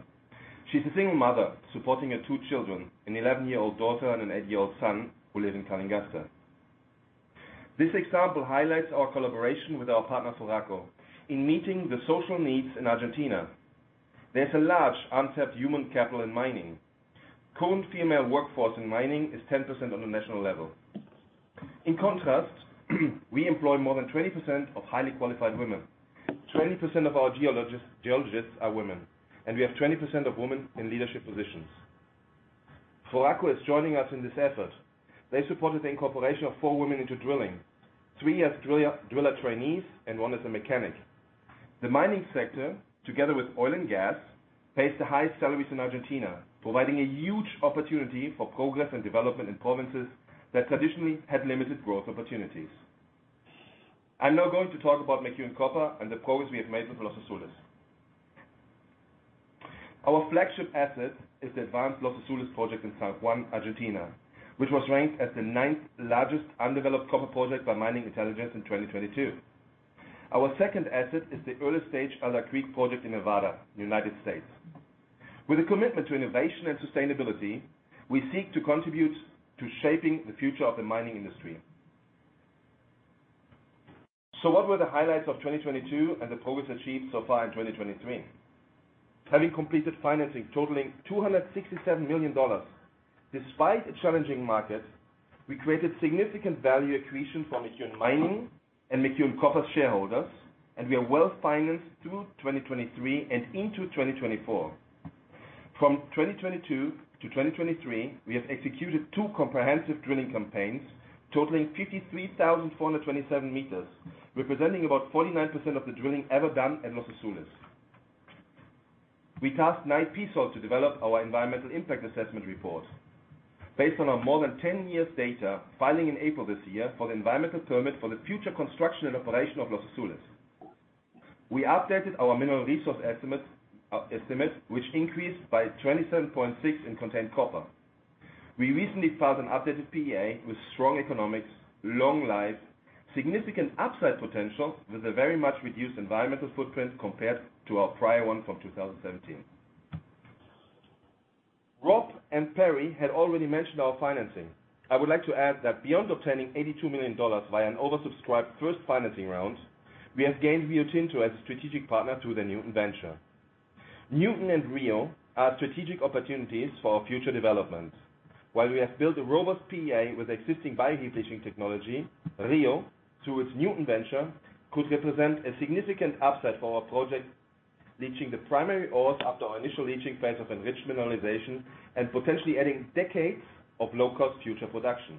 S11: She's a single mother supporting her two children, an 11-year-old daughter and an eight-year-old son, who live in Calingasta. This example highlights our collaboration with our partner, Foraco, in meeting the social needs in Argentina. There's a large untapped human capital in mining. Current female workforce in mining is 10% on the national level. In contrast, we employ more than 20% of highly qualified women. 20% of our geologists are women, and we have 20% of women in leadership positions. Foraco is joining us in this effort. They supported the incorporation of four women into drilling, three as driller trainees and one as a mechanic. The mining sector, together with oil and gas, pays the highest salaries in Argentina, providing a huge opportunity for progress and development in provinces that traditionally had limited growth opportunities. I'm now going to talk about McEwen Copper and the progress we have made with Los Azules. Our flagship asset is the advanced Los Azules project in San Juan, Argentina, which was ranked as the ninth largest undeveloped copper project by Mining Intelligence in 2022. Our second asset is the early-stage Elder Creek project in Nevada, United States. With a commitment to innovation and sustainability, we seek to contribute to shaping the future of the mining industry.... What were the highlights of 2022 and the progress achieved so far in 2023? Having completed financing totaling $267 million. Despite a challenging market, we created significant value accretion for McEwen Mining and McEwen Copper shareholders, we are well-financed through 2023 and into 2024. From 2022 to 2023, we have executed two comprehensive drilling campaigns totaling 53,427 meters, representing about 49% of the drilling ever done at Los Azules. We tasked Knight Piésold to develop our environmental impact assessment report. Based on our more than 10 years data, filing in April this year for the environmental permit for the future construction and operation of Los Azules. We updated our mineral resource estimate, which increased by 27.6% in contained copper. We recently filed an updated PEA with strong economics, long life, significant upside potential, with a very much reduced environmental footprint compared to our prior one from 2017. Rob and Perry had already mentioned our financing. I would like to add that beyond obtaining $82 million via an oversubscribed first financing round, we have gained Rio Tinto as a strategic partner through the Nuton venture. Nuton and Rio are strategic opportunities for our future development. While we have built a robust PEA with existing bioleaching technology, Rio, through its Nuton venture, could represent a significant upside for our project, leaching the primary ores after our initial leaching phase of enriched mineralization, and potentially adding decades of low-cost future production.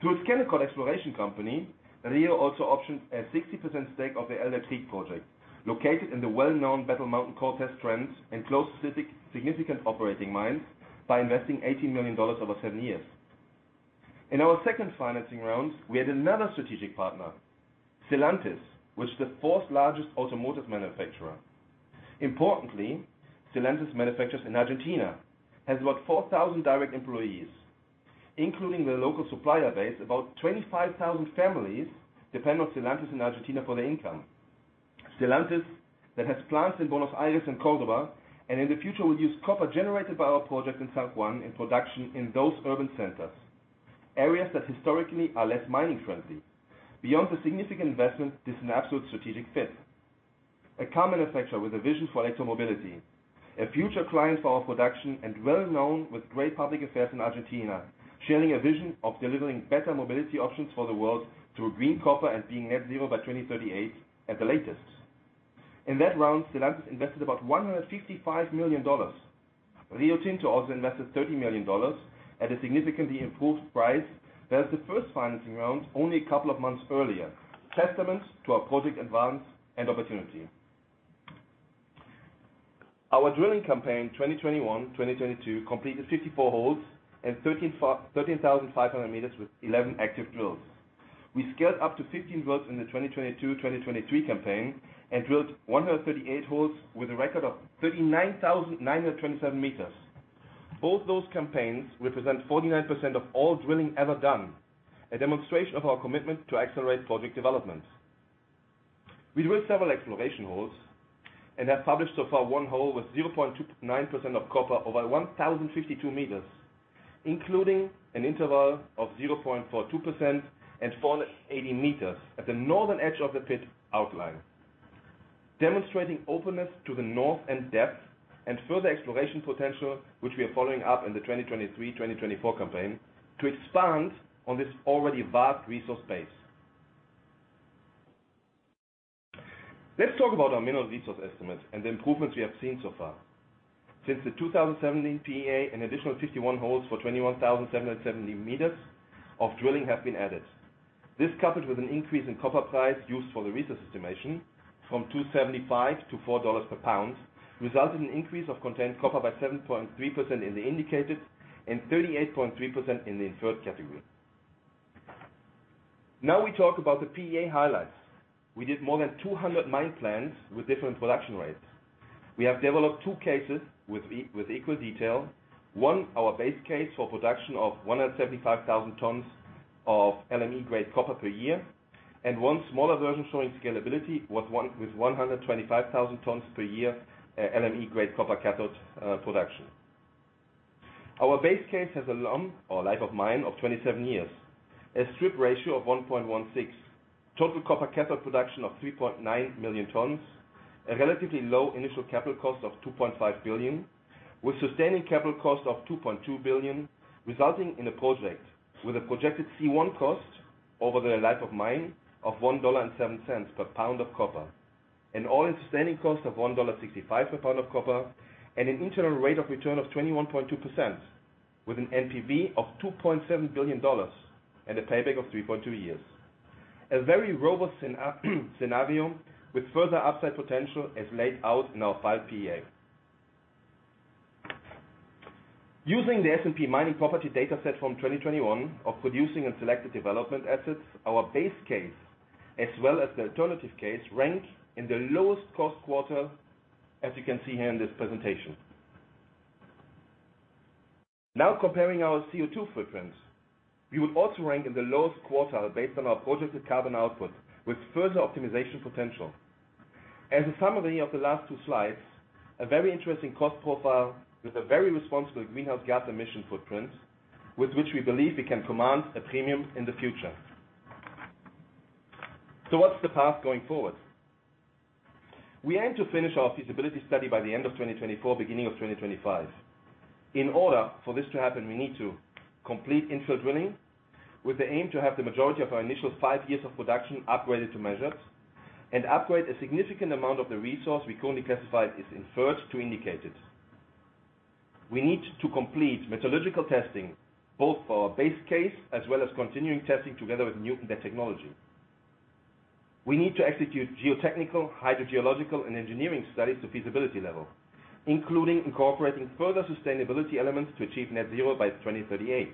S11: Through its [chemical] exploration company, Rio also optioned a 60% stake of the LFC project, located in the well-known Battle Mountain-Eureka-Cortez trend and close to significant operating mines, by investing $18 million over seven years. In our second financing round, we had another strategic partner, Stellantis, which is the fourth largest automotive manufacturer. Importantly, Stellantis manufactures in Argentina, has about 4,000 direct employees, including the local supplier base. About 25,000 families depend on Stellantis in Argentina for their income. Stellantis that has plants in Buenos Aires and Córdoba, and in the future will use copper generated by our project in San Juan, in production in those urban centers, areas that historically are less mining friendly. Beyond the significant investment, this is an absolute strategic fit. A car manufacturer with a vision for electromobility, a future client for our production, and well-known with great public affairs in Argentina, sharing a vision of delivering better mobility options for the world through green copper and being net zero by 2038 at the latest. In that round, Stellantis invested about $155 million. Rio Tinto also invested $30 million at a significantly improved price, whereas the first financing round only a couple of months earlier, testament to our project advance and opportunity. Our drilling campaign, 2021, 2022, completed 54 holes and 13,500 meters with 11 active drills. We scaled up to 15 drills in the 2022, 2023 campaign, and drilled 138 holes with a record of 39,927 meters. Both those campaigns represent 49% of all drilling ever done, a demonstration of our commitment to accelerate project development. We drilled several exploration holes and have published so far one hole with 0.29% of copper over 1,052 meters, including an interval of 0.42% and 480 meters at the northern edge of the pit outline. Demonstrating openness to the north and depth and further exploration potential, which we are following up in the 2023, 2024 campaign, to expand on this already vast resource base. Let's talk about our mineral resource estimate and the improvements we have seen so far. Since the 2017 PEA, an additional 51 holes for 21,770 meters of drilling have been added. This, coupled with an increase in copper price used for the resource estimation from $2.75 - $4 per lb, resulted in increase of contained copper by 7.3% in the indicated and 38.3% in the inferred category. We talk about the PEA highlights. We did more than 200 mine plans with different production rates. We have developed two cases with equal detail. One, our base case for production of 175,000 tons of LME grade copper per year, and one smaller version showing scalability with 125,000 tons per year, LME grade copper cathode production. Our base case has a LOM, or a life of mine, of 27 years. A strip ratio of 1.16, total copper cathode production of 3.9 million tons, a relatively low initial capital cost of $2.5 billion, with sustaining capital cost of $2.2 billion, resulting in a project with a projected C1 cost over the life of mine of $1.07 per lb of copper. An all-in sustaining cost of $1.65 per lb of copper, and an internal rate of return of 21.2%, with an NPV of $2.7 billion and a payback of 3.2 years. A very robust scenario with further upside potential as laid out in our filed PEA. Using the S&P Mining Property dataset from 2021 of producing and selected development assets, our base case, as well as the alternative case, rank in the lowest cost quarter, as you can see here in this presentation. Comparing our CO2 footprints, we would also rank in the lowest quarter based on our projected carbon output with further optimization potential. As a summary of the last two slides, a very interesting cost profile with a very responsible greenhouse gas emission footprint, with which we believe we can command a premium in the future. What's the path going forward? We aim to finish our feasibility study by the end of 2024, beginning of 2025. In order for this to happen, we need to complete infill drilling, with the aim to have the majority of our initial five years of production upgraded to measures, and upgrade a significant amount of the resource we currently classified as inferred to indicated. We need to complete metallurgical testing, both for our base case as well as continuing testing together with new depth technology. We need to execute geotechnical, hydrogeological, and engineering studies to feasibility level, including incorporating further sustainability elements to achieve net zero by 2038.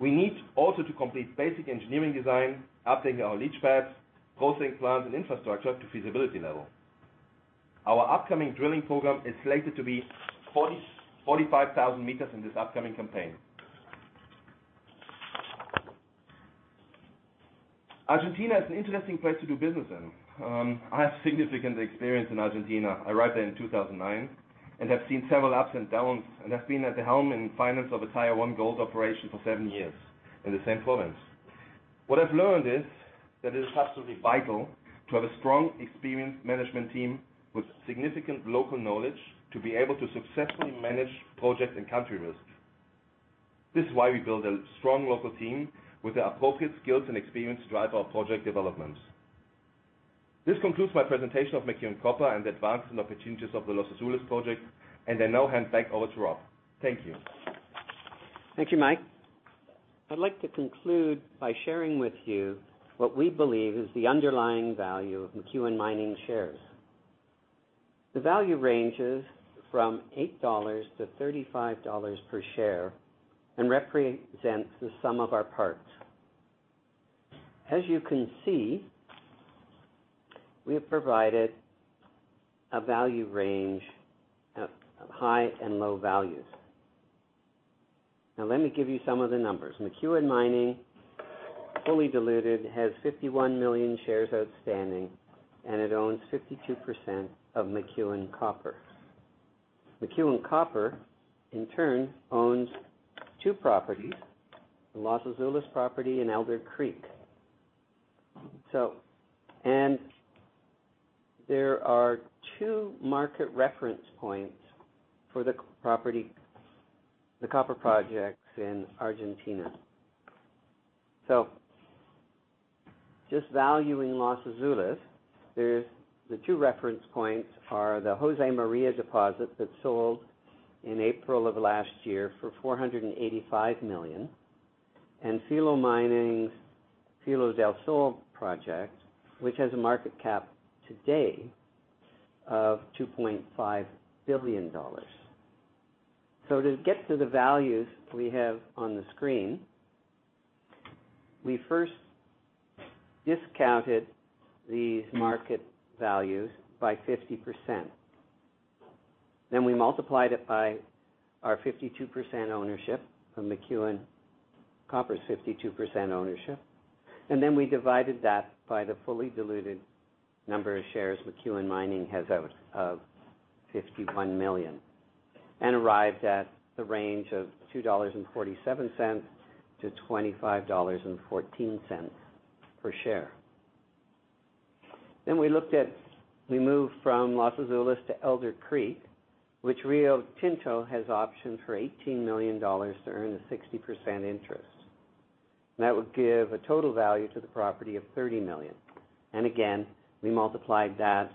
S11: We need also to complete basic engineering design, updating our leach pads, processing plants, and infrastructure to feasibility level. Our upcoming drilling program is slated to be 45,000 meters in this upcoming campaign. Argentina is an interesting place to do business in. I have significant experience in Argentina. I arrived there in 2009 and have seen several ups and downs, and have been at the helm in finance of a tier one gold operation for seven years in the same province. What I've learned is that it is absolutely vital to have a strong, experienced management team with significant local knowledge to be able to successfully manage projects and country risks. This is why we build a strong local team with the appropriate skills and experience to drive our project developments. This concludes my presentation of McEwen Copper and the advances and opportunities of the Los Azules project, and I now hand back over to Rob. Thank you.
S2: Thank you, Mike. I'd like to conclude by sharing with you what we believe is the underlying value of McEwen Mining shares. The value ranges from $8-$35 per share and represents the sum of our parts. As you can see, we have provided a value range of high and low values. Let me give you some of the numbers. McEwen Mining, fully diluted, has 51 million shares outstanding, and it owns 52% of McEwen Copper. McEwen Copper, in turn, owns two properties, the Los Azules property and Elder Creek. There are two market reference points for the property, the copper projects in Argentina. Just valuing Los Azules, there's... The two reference points are the Josemaría deposit that sold in April of last year for $485 million, and Filo Mining's Filo del Sol project, which has a market cap today of $2.5 billion. To get to the values we have on the screen, we first discounted these market values by 50%. We multiplied it by our 52% ownership, from McEwen Copper's 52% ownership, and we divided that by the fully diluted number of shares McEwen Mining has out, of 51 million, and arrived at the range of $2.47-$25.14 per share. We moved from Los Azules to Elder Creek, which Rio Tinto has optioned for $18 million to earn a 60% interest. That would give a total value to the property of $30 million. Again, we multiplied that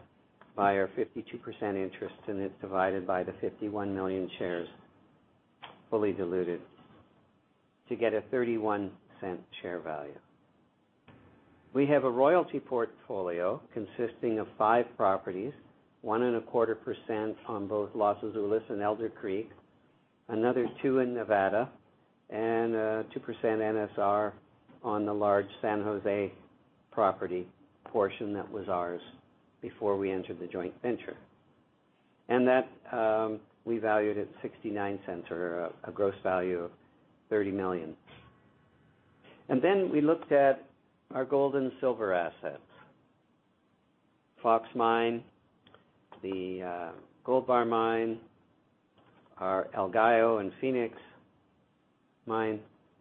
S2: by our 52% interest, and it's divided by the 51 million shares, fully diluted, to get a $0.31 share value. We have a royalty portfolio consisting of five properties, 1.25% on both Los Azules and Elder Creek, another 2% in Nevada, and 2% NSR on the large San José property portion that was ours before we entered the joint venture. That we valued at $0.69 or a gross value of $30 million. Then we looked at our gold and silver assets, Fox Mine, the Gold Bar Mine, our El Gallo and Fenix Mine,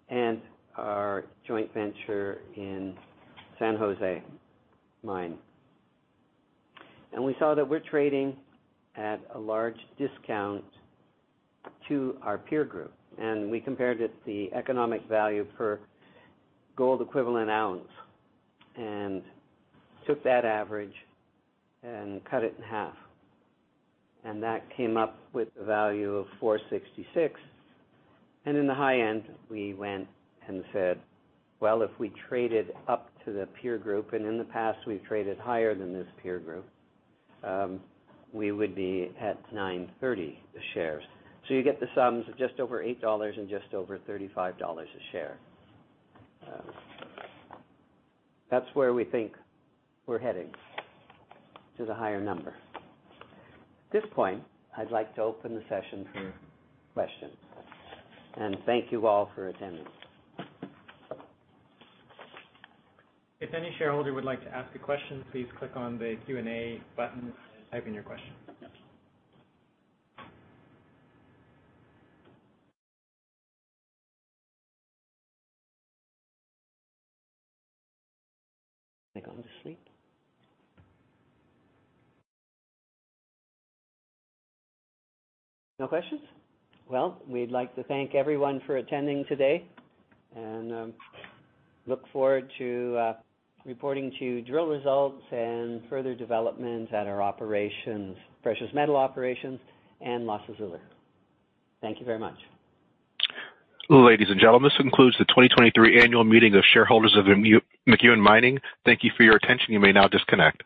S2: and our joint venture in San José Mine. We saw that we're trading at a large discount to our peer group, and we compared it to the economic value per gold equivalent ounce, and took that average and cut it in half. That came up with a value of $4.66. In the high end, we went and said, "Well, if we traded up to the peer group," and in the past, we've traded higher than this peer group, "we would be at 930 shares." You get the sums of just over $8 and just over $35 a share. That's where we think we're heading, to the higher number. At this point, I'd like to open the session for questions. Thank you all for attending.
S1: If any shareholder would like to ask a question, please click on the Q&A button and type in your question.
S2: They gone to sleep? No questions? We'd like to thank everyone for attending today. Look forward to reporting to drill results and further developments at our operations, precious metal operations and Los Azules. Thank you very much.
S12: Ladies and gentlemen, this concludes the 2023 annual meeting of shareholders of McEwen Mining. Thank you for your attention. You may now disconnect.